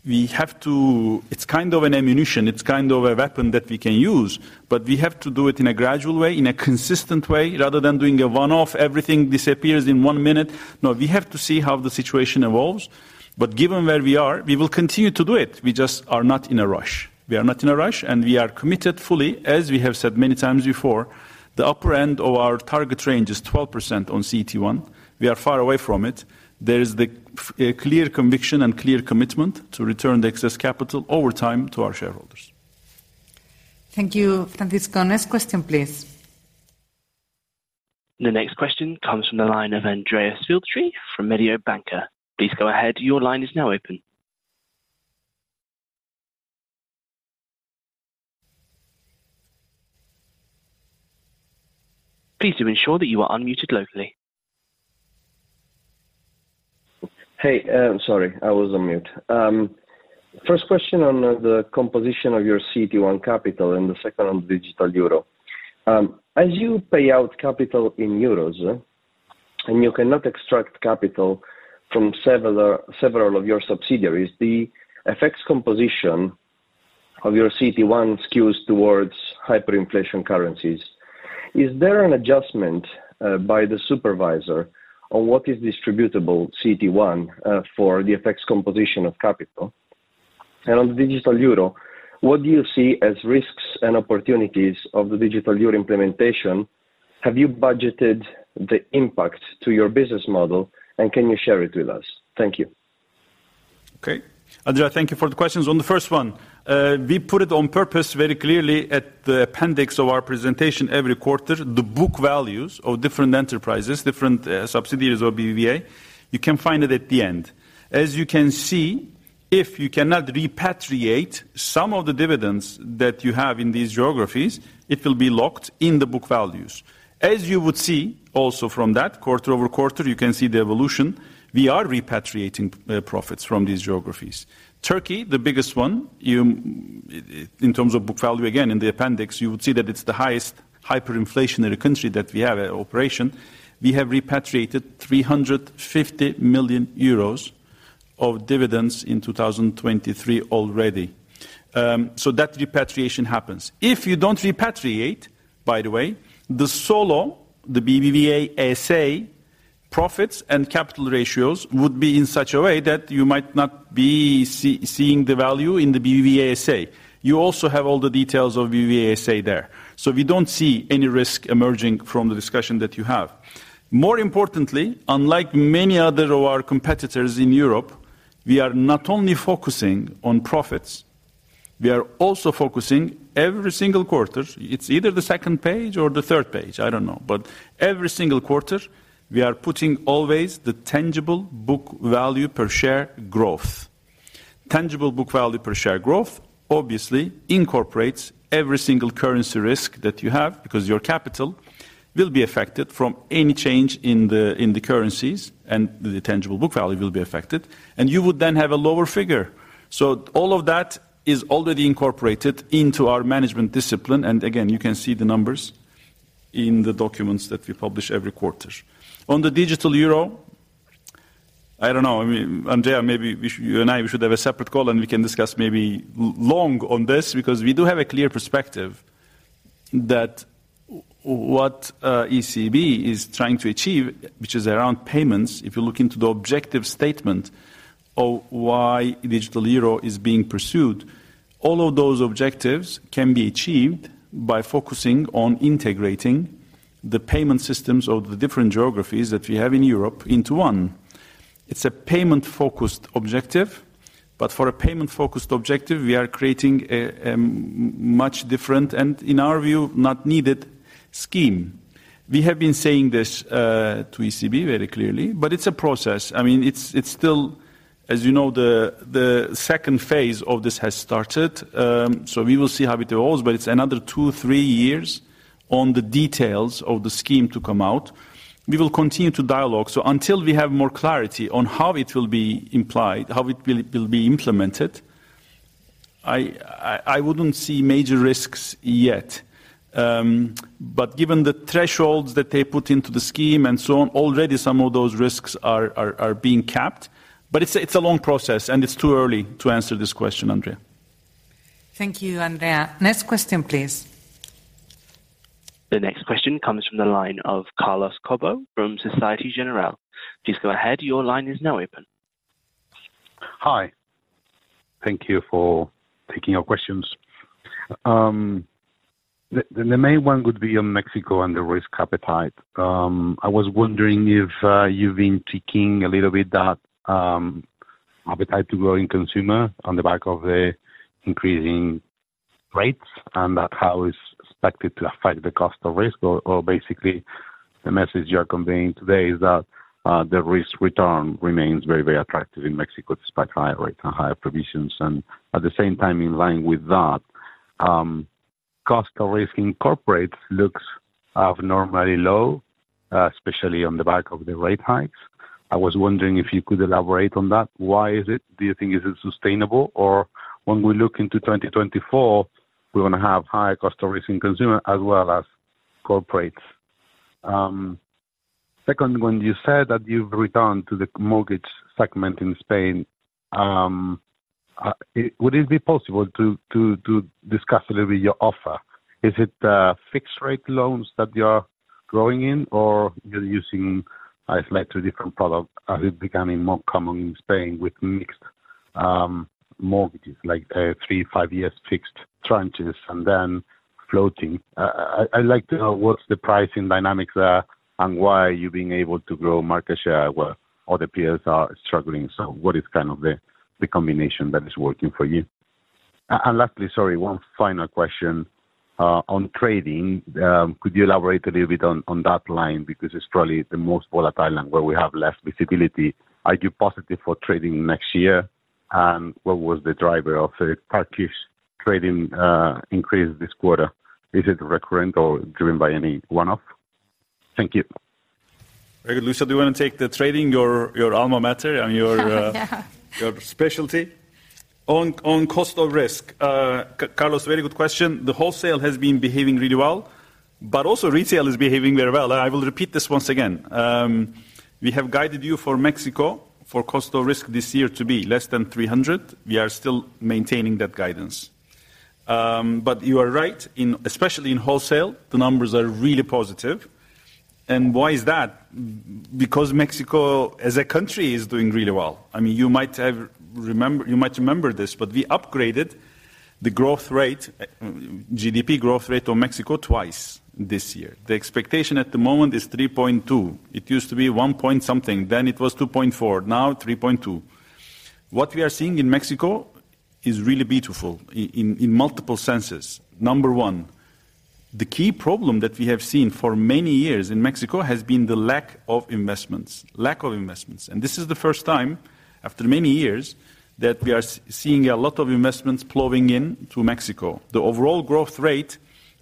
S2: we have to, it's kind of an ammunition, it's kind of a weapon that we can use, but we have to do it in a gradual way, in a consistent way, rather than doing a one-off, everything disappears in one minute. No, we have to see how the situation evolves, but given where we are, we will continue to do it. We just are not in a rush. We are not in a rush, and we are committed fully, as we have said many times before, the upper end of our target range is 12% on CET1. We are far away from it. There is a clear conviction and clear commitment to return the excess capital over time to our shareholders.
S1: Thank you, Francisco. Next question, please.
S4: The next question comes from the line of Andrea Filtri from Mediobanca. Please go ahead. Your line is now open. Please ensure that you are unmuted locally.
S10: Hey, sorry, I was on mute. First question on the composition of your CET1 capital and the second on digital euro. As you pay out capital in euros, and you cannot extract capital from several of your subsidiaries, the effective composition of your CET1 skews towards hyperinflation currencies. Is there an adjustment by the supervisor on what is distributable CET1 for the effective composition of capital? And on the digital euro, what do you see as risks and opportunities of the digital euro implementation? Have you budgeted the impact to your business model, and can you share it with us? Thank you.
S2: Okay. Andrea, thank you for the questions. On the first one, we put it on purpose very clearly at the appendix of our presentation every quarter, the book values of different enterprises, different subsidiaries of BBVA. You can find it at the end. As you can see, if you cannot repatriate some of the dividends that you have in these geographies, it will be locked in the book values. As you would see also from that, quarter-over-quarter, you can see the evolution. We are repatriating profits from these geographies. Turkey, the biggest one, you in terms of book value, again, in the appendix, you would see that it's the highest hyperinflationary country that we have an operation. We have repatriated 350 million euros of dividends in 2023 already. So that repatriation happens. If you don't repatriate, by the way, the standalone, the BBVA SA profits and capital ratios would be in such a way that you might not be seeing the value in the BBVA SA. You also have all the details of BBVA SA there. So we don't see any risk emerging from the discussion that you have. More importantly, unlike many other of our competitors in Europe, we are not only focusing on profits, we are also focusing every single quarter. It's either the second page or the third page, I don't know. But every single quarter, we are putting always the tangible book value per share growth. Tangible Book Value per Share growth, obviously, incorporates every single currency risk that you have, because your capital will be affected from any change in the currencies, and the Tangible Book Value per Share will be affected, and you would then have a lower figure. So all of that is already incorporated into our management discipline, and again, you can see the numbers in the documents that we publish every quarter. On the Digital Euro, I don't know, I mean, Andrea, maybe we should, you and I, we should have a separate call, and we can discuss maybe long on this, because we do have a clear perspective that what ECB is trying to achieve, which is around payments, if you look into the objective statement of why Digital Euro is being pursued, all of those objectives can be achieved by focusing on integrating the payment systems of the different geographies that we have in Europe into one. It's a payment-focused objective, but for a payment-focused objective, we are creating a much different, and in our view, not needed scheme. We have been saying this to ECB very clearly, but it's a process. I mean, it's still, as you know, the second phase of this has started, so we will see how it evolves, but it's another 2-3 years on the details of the scheme to come out. We will continue to dialogue. So until we have more clarity on how it will be applied, how it will be implemented, I wouldn't see major risks yet. But given the thresholds that they put into the scheme and so on, already some of those risks are being capped. But it's a long process, and it's too early to answer this question, Andrea.
S1: Thank you, Andrea. Next question, please.
S4: The next question comes from the line of Carlos Cobo from Societe Generale. Please go ahead. Your line is now open.
S11: Hi. Thank you for taking our questions. The main one would be on Mexico and the risk appetite. I was wondering if you've been tweaking a little bit that appetite to growing consumer on the back of the increasing rates, and that how it's expected to affect the cost of risk, or basically, the message you are conveying today is that the risk return remains very, very attractive in Mexico, despite higher rates and higher provisions. And at the same time, in line with that, cost of risk in corporate looks abnormally low, especially on the back of the rate hikes. I was wondering if you could elaborate on that. Why is it? Do you think is it sustainable, or when we look into 2024, we're gonna have higher cost of risk in consumer as well as corporates? Second one, you said that you've returned to the mortgage segment in Spain. Would it be possible to discuss a little bit your offer? Is it fixed-rate loans that you are growing in, or you're using a slightly different product, as is becoming more common in Spain with mixed mortgages, like three, five years fixed tranches and then floating? I'd like to know what's the pricing dynamics are, and why you've been able to grow market share where other peers are struggling. So what is kind of the combination that is working for you? And lastly, sorry, one final question, on trading. Could you elaborate a little bit on that line? Because it's probably the most volatile line where we have less visibility. Are you positive for trading next year? What was the driver of the Turkish trading increase this quarter? Is it recurrent or driven by any one-off? Thank you.
S2: Very good. Luisa, do you want to take the trading, your alma mater and your
S3: Yeah. your specialty? On cost of risk, Carlos, very good question. The wholesale has been behaving really well, but also retail is behaving very well, and I will repeat this once again. We have guided you for Mexico, for cost of risk this year to be less than 300. We are still maintaining that guidance. But you are right, especially in wholesale, the numbers are really positive. And why is that? Because Mexico, as a country, is doing really well. I mean, you might remember this, but we upgraded the growth rate, GDP growth rate of Mexico twice this year. The expectation at the moment is 3.2. It used to be 1 point something, then it was 2.4, now 3.2.
S2: What we are seeing in Mexico is really beautiful in multiple senses. Number one, the key problem that we have seen for many years in Mexico has been the lack of investments. Lack of investments, and this is the first time, after many years, that we are seeing a lot of investments flowing in to Mexico. The overall growth rate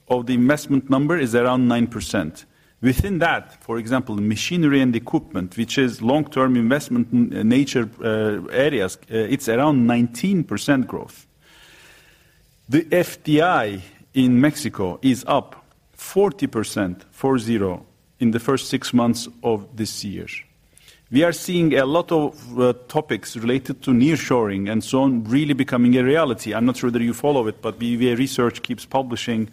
S2: of the investment number is around 9%. Within that, for example, machinery and equipment, which is long-term investment nature, areas, it's around 19% growth. The FDI in Mexico is up 40%, 40, in the first six months of this year. We are seeing a lot of topics related to nearshoring and so on, really becoming a reality. I'm not sure that you follow it, but BBVA Research keeps publishing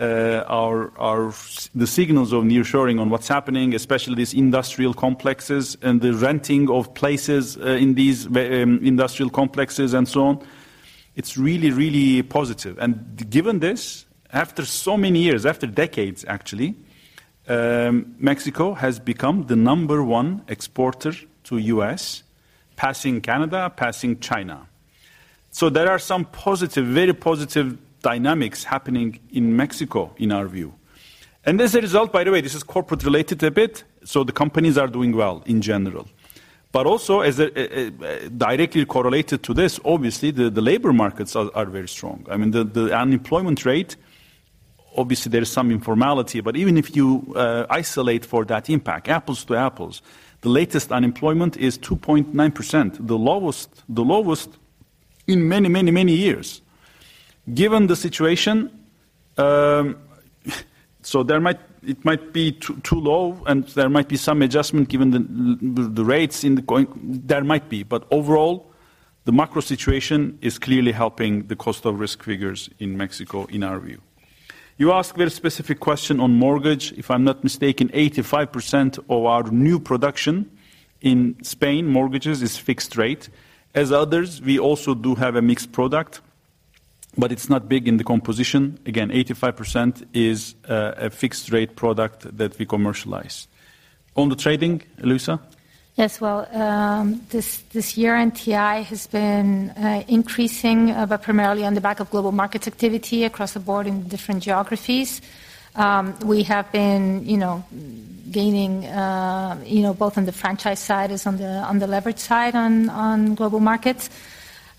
S2: our... The signals of nearshoring on what's happening, especially these industrial complexes and the renting of places in these industrial complexes and so on. It's really, really positive. And given this, after so many years, after decades, actually, Mexico has become the number one exporter to U.S., passing Canada, passing China. So there are some positive, very positive dynamics happening in Mexico, in our view. And as a result, by the way, this is corporate related a bit, so the companies are doing well in general. But also, as a directly correlated to this, obviously, the labor markets are very strong. I mean, the unemployment rate, obviously, there is some informality, but even if you isolate for that impact, apples to apples, the latest unemployment is 2.9%, the lowest, the lowest in many, many, many years. Given the situation, so there might—it might be too low, and there might be some adjustment given the, the rates in the going. There might be, but overall, the macro situation is clearly helping the cost of risk figures in Mexico, in our view. You asked a very specific question on mortgage. If I'm not mistaken, 85% of our new production in Spain, mortgages, is fixed rate. As others, we also do have a mixed product, but it's not big in the composition. Again, 85% is a fixed rate product that we commercialize. On the trading, Luisa?
S3: Yes, well, this year, NTI has been increasing, but primarily on the back of global markets activity across the board in different geographies. We have been, you know, gaining, you know, both on the franchise side as on the, on the leverage side, on, on global markets.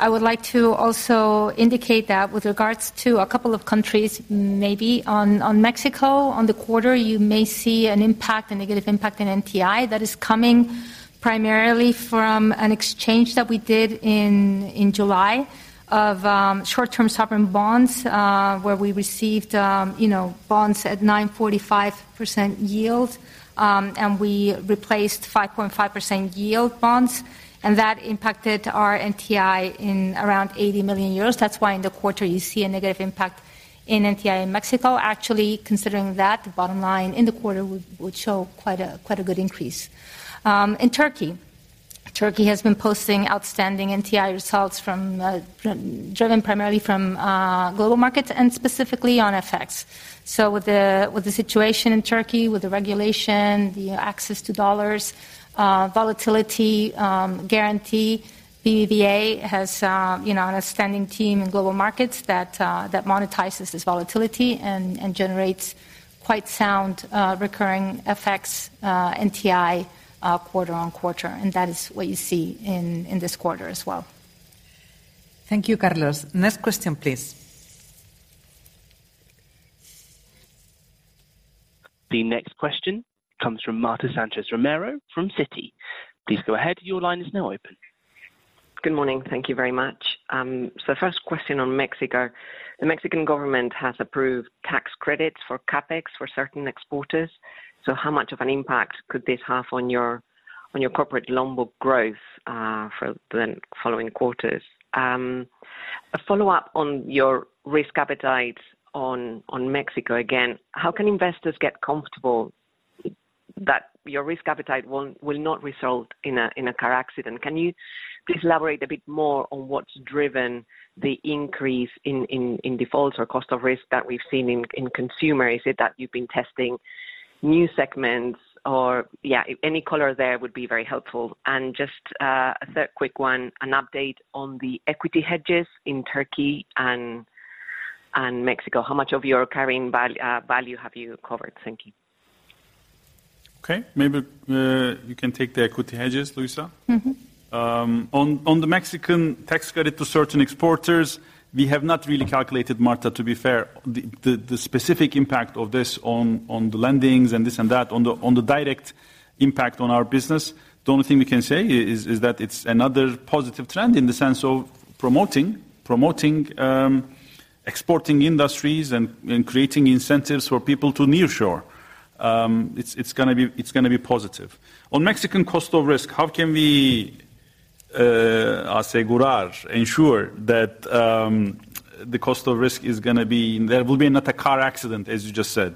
S3: I would like to also indicate that with regards to a couple of countries, maybe on Mexico, on the quarter, you may see an impact, a negative impact in NTI that is coming primarily from an exchange that we did in July of short-term sovereign bonds, where we received, you know, bonds at 9.5% yield, and we replaced 5.5% yield bonds, and that impacted our NTI in around 80 million euros. That's why in the quarter, you see a negative impact in NTI in Mexico. Actually, considering that, the bottom line in the quarter would show quite a good increase. In Turkey, Turkey has been posting outstanding NTI results driven primarily from global markets and specifically on FX. So with the situation in Turkey, with the regulation, the access to dollars, volatility, guarantee, BBVA has, you know, an outstanding team in global markets that monetizes this volatility and generates quite sound recurring FX NTI quarter on quarter, and that is what you see in this quarter as well.
S1: Thank you, Carlos. Next question, please.
S4: The next question comes from Marta Sanchez Romero from Citi. Please go ahead. Your line is now open....
S12: Good morning. Thank you very much. So first question on Mexico. The Mexican government has approved tax credits for CapEx for certain exporters. So how much of an impact could this have on your corporate loan book growth for the following quarters? A follow-up on your risk appetite on Mexico again, how can investors get comfortable that your risk appetite won't, will not result in a car accident? Can you please elaborate a bit more on what's driven the increase in defaults or cost of risk that we've seen in consumer? Is it that you've been testing new segments or, yeah, any color there would be very helpful. And just a third quick one, an update on the equity hedges in Turkey and Mexico. How much of your carrying value have you covered? Thank you.
S2: Okay. Maybe, you can take the equity hedges, Luisa.
S3: Mm-hmm.
S2: On the Mexican tax credit to certain exporters, we have not really calculated, Marta, to be fair, the specific impact of this on the lendings and this and that, on the direct impact on our business. The only thing we can say is that it's another positive trend in the sense of promoting exporting industries and creating incentives for people to nearshore. It's gonna be positive. On Mexican cost of risk, how can we ensure that the cost of risk is gonna be... There will be not a car accident, as you just said.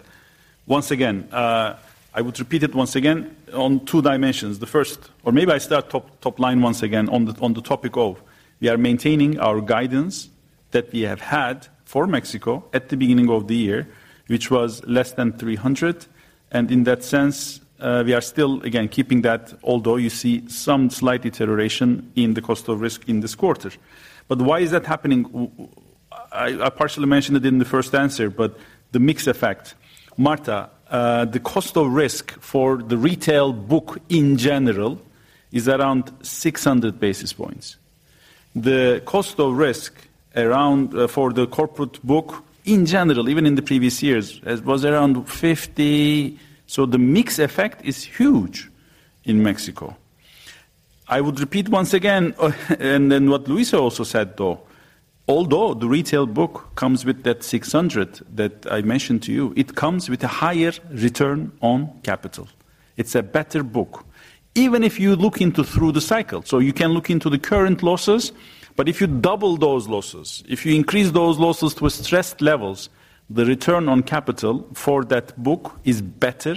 S2: Once again, I would repeat it once again on two dimensions. Or maybe I start with the top line once again on the topic of, we are maintaining our guidance that we have had for Mexico at the beginning of the year, which was less than 300, and in that sense, we are still, again, keeping that, although you see some slight deterioration in the cost of risk in this quarter. But why is that happening? I partially mentioned it in the first answer, but the mix effect. Marta, the cost of risk for the retail book in general is around 600 basis points. The cost of risk around for the corporate book, in general, even in the previous years, it was around 50. So the mix effect is huge in Mexico. I would repeat once again, and then what Luisa also said, though, although the retail book comes with that 600 that I mentioned to you, it comes with a higher return on capital. It's a better book, even if you look into through the cycle, so you can look into the current losses, but if you double those losses, if you increase those losses to stressed levels, the return on capital for that book is better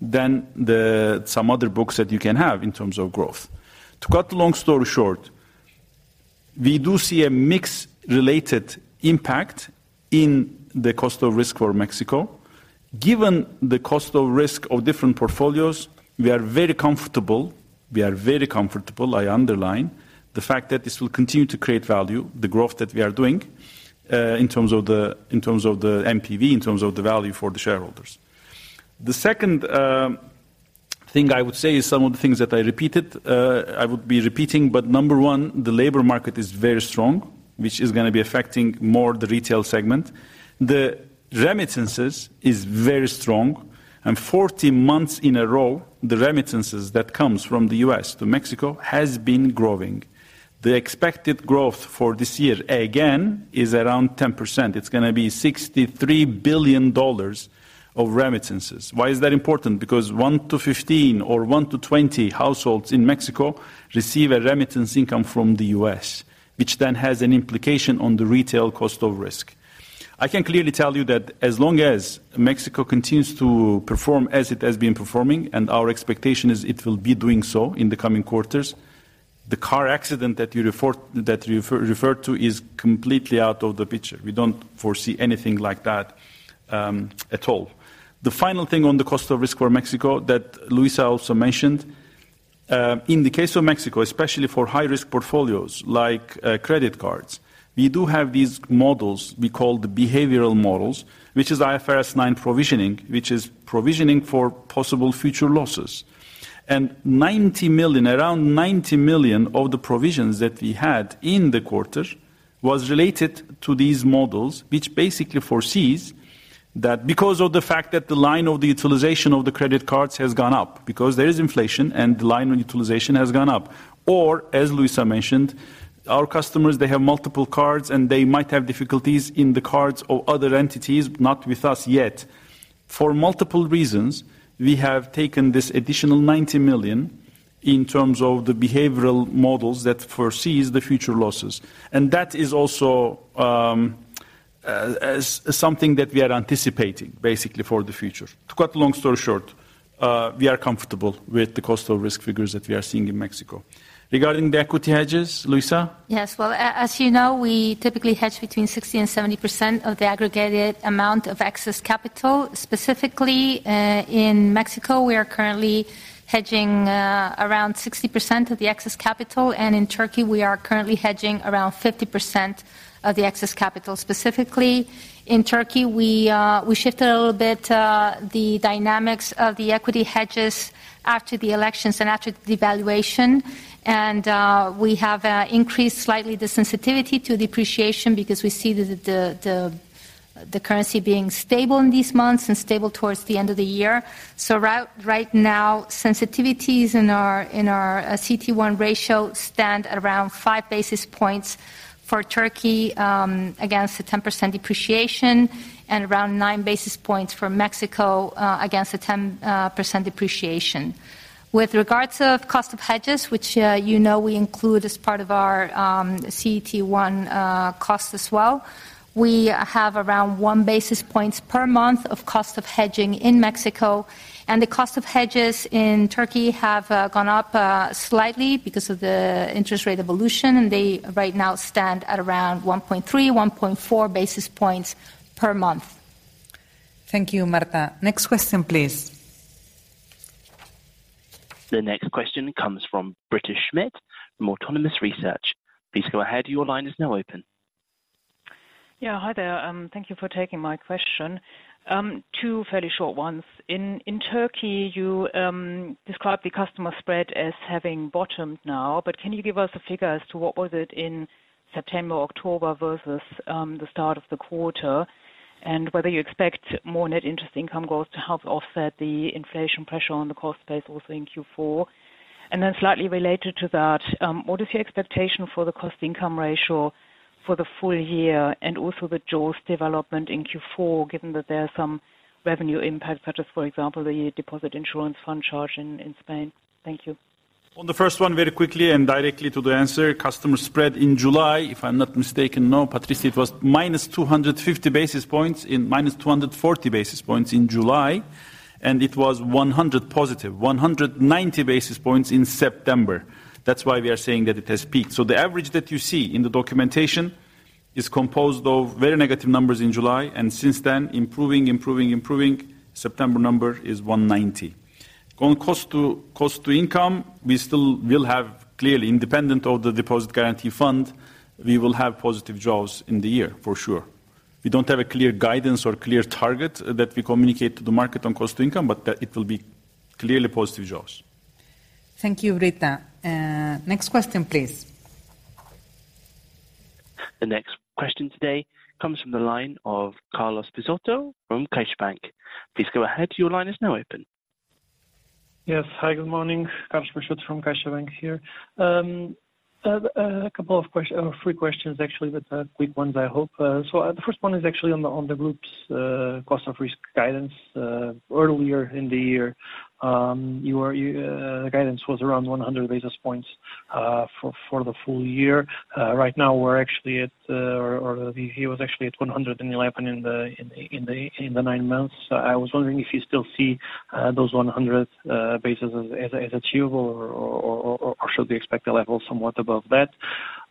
S2: than the some other books that you can have in terms of growth. To cut the long story short, we do see a mix-related impact in the cost of risk for Mexico. Given the cost of risk of different portfolios, we are very comfortable, we are very comfortable, I underline, the fact that this will continue to create value, the growth that we are doing, in terms of the, in terms of the NPV, in terms of the value for the shareholders. The second, thing I would say is some of the things that I repeated, I would be repeating, but number one, the labor market is very strong, which is gonna be affecting more the retail segment. The remittances is very strong, and 40 months in a row, the remittances that comes from the U.S. to Mexico has been growing. The expected growth for this year, again, is around 10%. It's gonna be $63 billion of remittances. Why is that important? Because 1-15 or 1-20 households in Mexico receive a remittance income from the U.S., which then has an implication on the retail cost of risk. I can clearly tell you that as long as Mexico continues to perform as it has been performing, and our expectation is it will be doing so in the coming quarters, the car accident that you refer to is completely out of the picture. We don't foresee anything like that at all. The final thing on the cost of risk for Mexico that Luisa also mentioned, in the case of Mexico, especially for high-risk portfolios like credit cards, we do have these models we call the behavioral models, which is IFRS 9 provisioning, which is provisioning for possible future losses. 90 million, around 90 million of the provisions that we had in the quarter was related to these models, which basically foresees that because of the fact that the line of the utilization of the credit cards has gone up, because there is inflation and the line of utilization has gone up, or as Luisa mentioned, our customers, they have multiple cards, and they might have difficulties in the cards of other entities, not with us yet. For multiple reasons, we have taken this additional 90 million in terms of the behavioral models that foresees the future losses, and that is also something that we are anticipating, basically for the future. To cut a long story short, we are comfortable with the cost of risk figures that we are seeing in Mexico. Regarding the equity hedges, Luisa?
S3: Yes. Well, as you know, we typically hedge between 60% and 70% of the aggregated amount of excess capital. Specifically, in Mexico, we are currently hedging around 60% of the excess capital, and in Turkey, we are currently hedging around 50% of the excess capital. Specifically, in Turkey, we shifted a little bit the dynamics of the equity hedges after the elections and after the devaluation, and we have increased slightly the sensitivity to depreciation because we see the currency being stable in these months and stable towards the end of the year. So right now, sensitivities in our CET1 ratio stand at around 5 basis points for Turkey against the 10% depreciation and around 9 basis points for Mexico against a 10% depreciation. With regards to cost of hedges, which, you know, we include as part of our, CET1, cost as well, we have around 1 basis points per month of cost of hedging in Mexico, and the cost of hedges in Turkey have, gone up, slightly because of the interest rate evolution, and they right now stand at around 1.3, 1.4 basis points per month.
S1: Thank you, Marta. Next question, please.
S4: The next question comes from Britta Schmidt from Autonomous Research. Please go ahead. Your line is now open.
S13: Yeah, hi there. Thank you for taking my question. Two fairly short ones. In Turkey, you described the customer spread as having bottomed now, but can you give us a figure as to what was it in September, October, versus the start of the quarter? And whether you expect more net interest income growth to help offset the inflation pressure on the cost base also in Q4. And then slightly related to that, what is your expectation for the cost income ratio for the full year and also the jaws development in Q4, given that there are some revenue impact, such as, for example, the deposit insurance fund charge in Spain? Thank you.
S2: On the first one, very quickly and directly to the answer, customer spread in July, if I'm not mistaken, no, Patricia, it was -250 basis points in... -240 basis points in July, and it was +100, +190 basis points in September. That's why we are saying that it has peaked. So the average that you see in the documentation is composed of very negative numbers in July, and since then, improving, improving, improving. September number is 190. On cost to, cost to income, we still will have, clearly independent of the Deposit Guarantee Fund, we will have positive jaws in the year for sure. We don't have a clear guidance or clear target that we communicate to the market on cost to income, but that it will be clearly positive jaws.
S1: Thank you, Britta. Next question, please.
S4: The next question today comes from the line of Carlos Peixoto from CaixaBank. Please go ahead. Your line is now open.
S14: Yes. Hi, good morning. Carlos Peixoto from CaixaBank here. A couple of three questions, actually, but quick ones, I hope. So, the first one is actually on the group's cost of risk guidance. Earlier in the year, your guidance was around 100 basis points for the full year. Right now, we're actually at, or it was actually at 111 in the nine months. So I was wondering if you still see those 100 basis points as achievable or should we expect a level somewhat above that?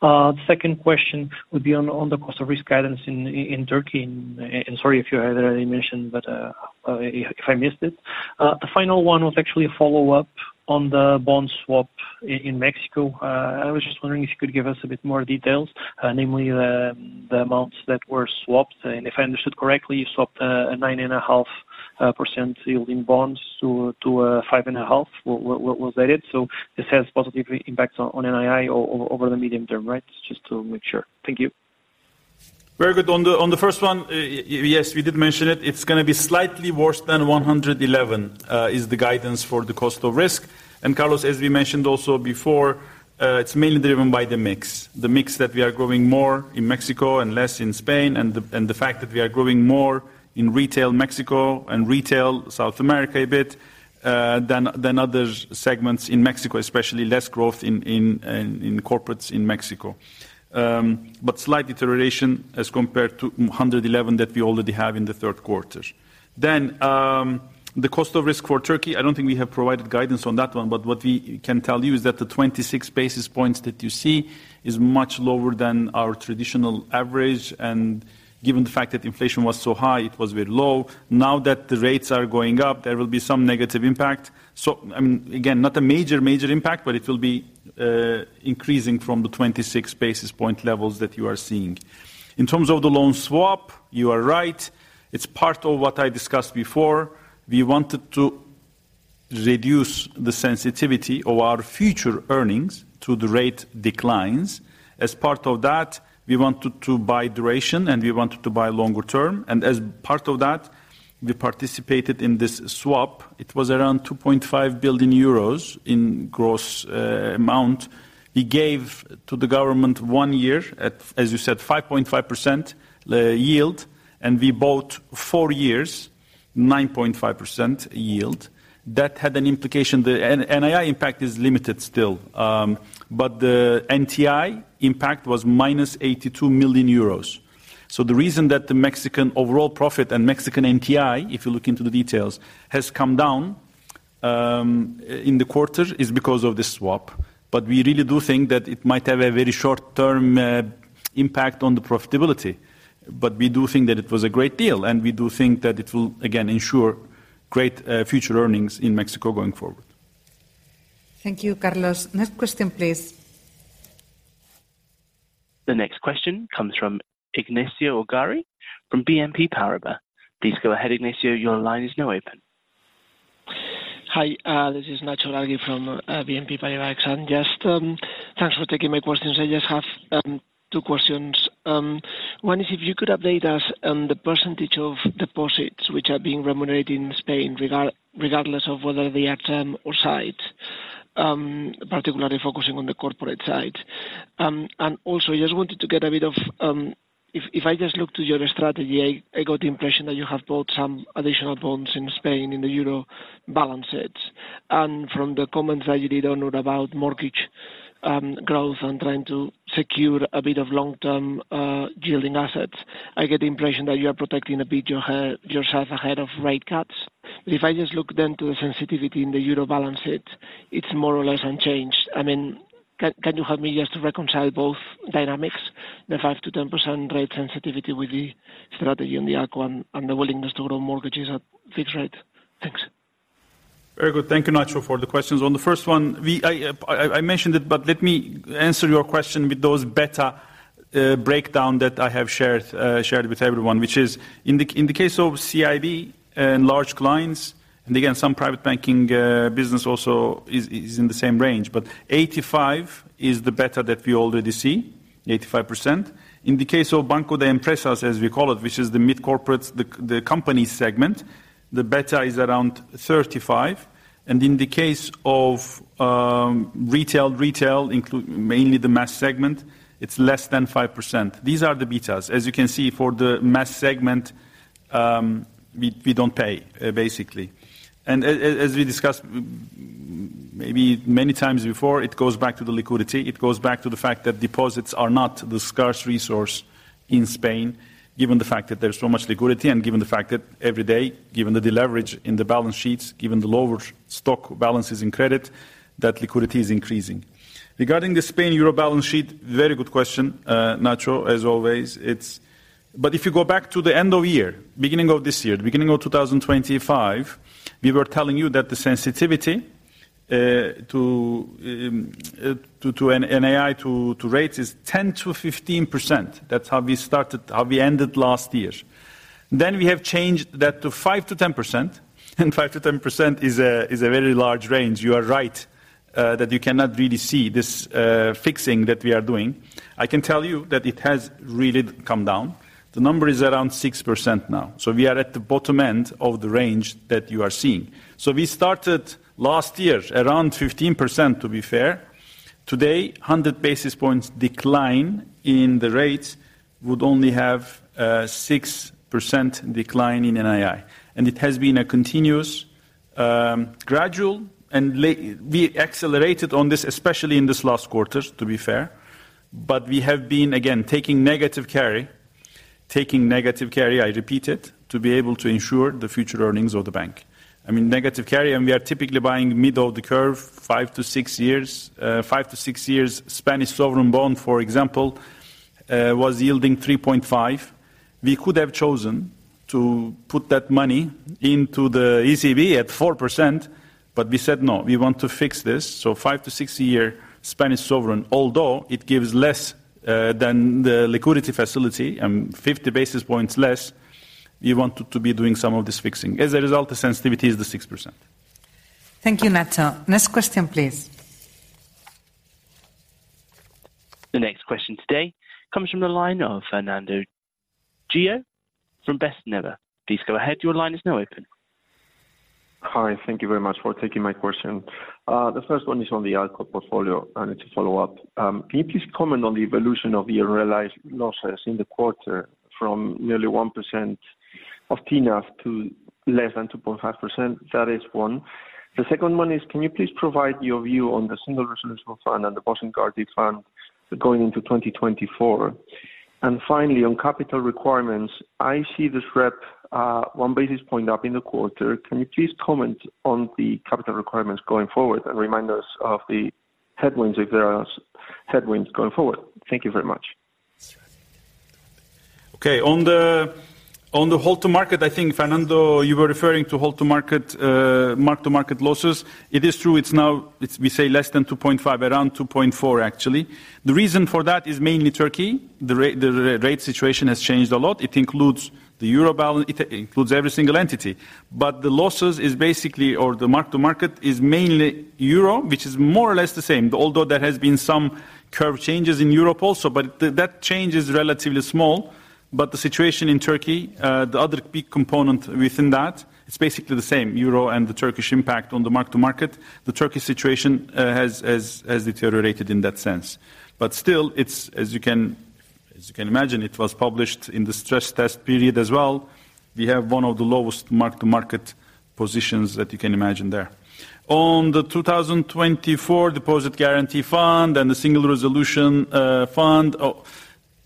S14: The second question would be on the cost of risk guidance in Turkey, and sorry if you had already mentioned, but if I missed it. The final one was actually a follow-up on the bond swap in Mexico. I was just wondering if you could give us a bit more details, namely the amounts that were swapped. And if I understood correctly, you swapped a 9.5% yield in bonds to a 5.5%. Was that it? So this has positive impact on NII over the medium term, right? Just to make sure. Thank you.
S2: Very good. On the first one, yes, we did mention it. It's gonna be slightly worse than 111, is the guidance for the cost of risk. And Carlos, as we mentioned also before, it's mainly driven by the mix. The mix that we are growing more in Mexico and less in Spain, and the fact that we are growing more in retail Mexico and retail South America a bit, than other segments in Mexico, especially less growth in corporates in Mexico. But slight deterioration as compared to 111 that we already have in the third quarter. The cost of risk for Turkey, I don't think we have provided guidance on that one, but what we can tell you is that the 26 basis points that you see is much lower than our traditional average, and given the fact that inflation was so high, it was very low. Now that the rates are going up, there will be some negative impact. So, I mean, again, not a major, major impact, but it will be increasing from the 26 basis point levels that you are seeing. In terms of the loan swap, you are right. It's part of what I discussed before. We wanted to reduce the sensitivity of our future earnings to the rate declines. As part of that, we wanted to buy duration, and we wanted to buy longer term, and as part of that, we participated in this swap. It was around 2.5 billion euros in gross amount. We gave to the government one year at, as you said, 5.5% yield, and we bought four years, 9.5% yield. That had an implication. The NII impact is limited still, but the NTI impact was -82 million euros. So the reason that the Mexican overall profit and Mexican NTI, if you look into the details, has come down in the quarter, is because of the swap. But we really do think that it might have a very short-term impact on the profitability, but we do think that it was a great deal, and we do think that it will again ensure great future earnings in Mexico going forward.
S1: Thank you, Carlos. Next question, please.
S4: The next question comes from Ignacio Ulargui from BNP Paribas. Please go ahead, Ignacio, your line is now open.
S15: Hi, this is Ignacio Ulargui from BNP Paribas, and just thanks for taking my questions. I just have two questions. One is if you could update us on the percentage of deposits which are being remunerated in Spain, regardless of whether they are term or sight? Particularly focusing on the corporate side. And also, I just wanted to get a bit of if I just look to your strategy, I got the impression that you have bought some additional bonds in Spain, in the euro balance sheets. And from the comments that you did on about mortgage growth and trying to secure a bit of long-term yielding assets, I get the impression that you are protecting a bit yourself ahead of rate cuts. But if I just look then to the sensitivity in the euro balance sheet, it's more or less unchanged. I mean, can you help me just to reconcile both dynamics, the 5%-10% rate sensitivity with the strategy on the ALCO and the willingness to hold mortgages at fixed rate? Thanks.
S2: Very good. Thank you, Nacho, for the questions. On the first one, I mentioned it, but let me answer your question with those beta breakdown that I have shared with everyone, which is in the case of CIB and large clients, and again, some private banking business also is in the same range, but 85 is the beta that we already see, 85%. In the case of Banco de Empresas, as we call it, which is the mid-corporates, the company segment, the beta is around 35, and in the case of retail, mainly the mass segment, it's less than 5%. These are the betas. As you can see, for the mass segment, we don't pay basically. As we discussed maybe many times before, it goes back to the liquidity. It goes back to the fact that deposits are not the scarce resource in Spain, given the fact that there's so much liquidity and given the fact that every day, given the deleverage in the balance sheets, given the lower stock balances in credit, that liquidity is increasing. Regarding the Spain euro balance sheet, very good question, Nacho, as always. It's. But if you go back to the end of year, beginning of this year, the beginning of 2025, we were telling you that the sensitivity to NII to rates is 10%-15%. That's how we started, how we ended last year. Then we have changed that to 5%-10%, and 5%-10% is a, is a very large range. You are right, that you cannot really see this, fixing that we are doing. I can tell you that it has really come down. The number is around 6% now. So we are at the bottom end of the range that you are seeing. So we started last year around 15%, to be fair. Today, 100 basis points decline in the rate would only have a 6% decline in NII, and it has been a continuous, gradual, and we accelerated on this, especially in this last quarter, to be fair. But we have been, again, taking negative carry, taking negative carry, I repeat it, to be able to ensure the future earnings of the bank. I mean, negative carry, and we are typically buying middle of the curve, 5-6 years. 5-6 years, Spanish sovereign bond, for example, was yielding 3.5%. We could have chosen to put that money into the ECB at 4%, but we said, "No, we want to fix this." So 5-6-year Spanish sovereign, although it gives less than the liquidity facility and 50 basis points less, we wanted to be doing some of this fixing. As a result, the sensitivity is the 6%.
S1: Thank you, Nacho. Next question, please.
S4: The next question today comes from the line of Fernando Gil from Bestinver Please go ahead. Your line is now open.
S16: Hi, thank you very much for taking my question. The first one is on the ALCO portfolio, and it's a follow-up. Can you please comment on the evolution of the unrealized losses in the quarter from nearly 1% of TNAV to less than 2.5%? That is one. The second one is, can you please provide your view on the Single Resolution Fund and the Deposit Guarantee Fund going into 2024? And finally, on capital requirements, I see the SREP, one basis point up in the quarter. Can you please comment on the capital requirements going forward and remind us of the headwinds, if there are headwinds going forward? Thank you very much.
S2: Okay. On the hold to market, I think, Fernando, you were referring to hold to market, mark-to-market losses. It is true, it's now, it's we say less than 2.5, around 2.4, actually. The reason for that is mainly Turkey. The rate situation has changed a lot. It includes the Euro balance. It includes every single entity, but the losses is basically, or the mark to market, is mainly euro, which is more or less the same, although there has been some curve changes in Europe also, but that change is relatively small. But the situation in Turkey, the other big component within that, it's basically the same, euro and the Turkish impact on the mark to market. The Turkish situation has deteriorated in that sense. But still, it's, as you can, as you can imagine, it was published in the stress test period as well. We have one of the lowest mark-to-market positions that you can imagine there. On the 2024 Deposit Guarantee Fund and the Single Resolution Fund,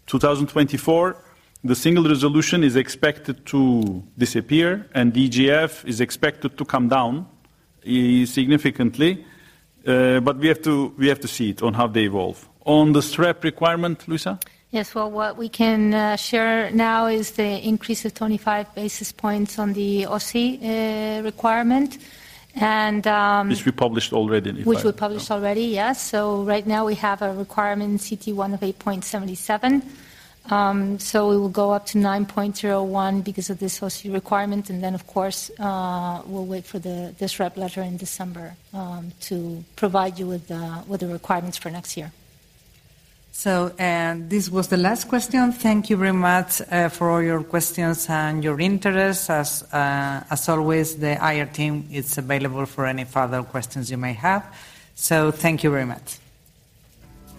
S2: 2024, the Single Resolution is expected to disappear, and DGF is expected to come down significantly, but we have to, we have to see it on how they evolve. On the SREP requirement, Luisa?
S3: Yes, well, what we can share now is the increase of 25 basis points on the O-SII requirement, and
S2: Which we published already, in fact.
S3: Which we published already, yes. So right now we have a requirement CET1 of 8.77. So we will go up to 9.01 because of this O-SII requirement, and then, of course, we'll wait for the SREP letter in December, to provide you with the requirements for next year.
S1: So, this was the last question. Thank you very much for all your questions and your interest. As always, the IR team is available for any further questions you may have. So thank you very much.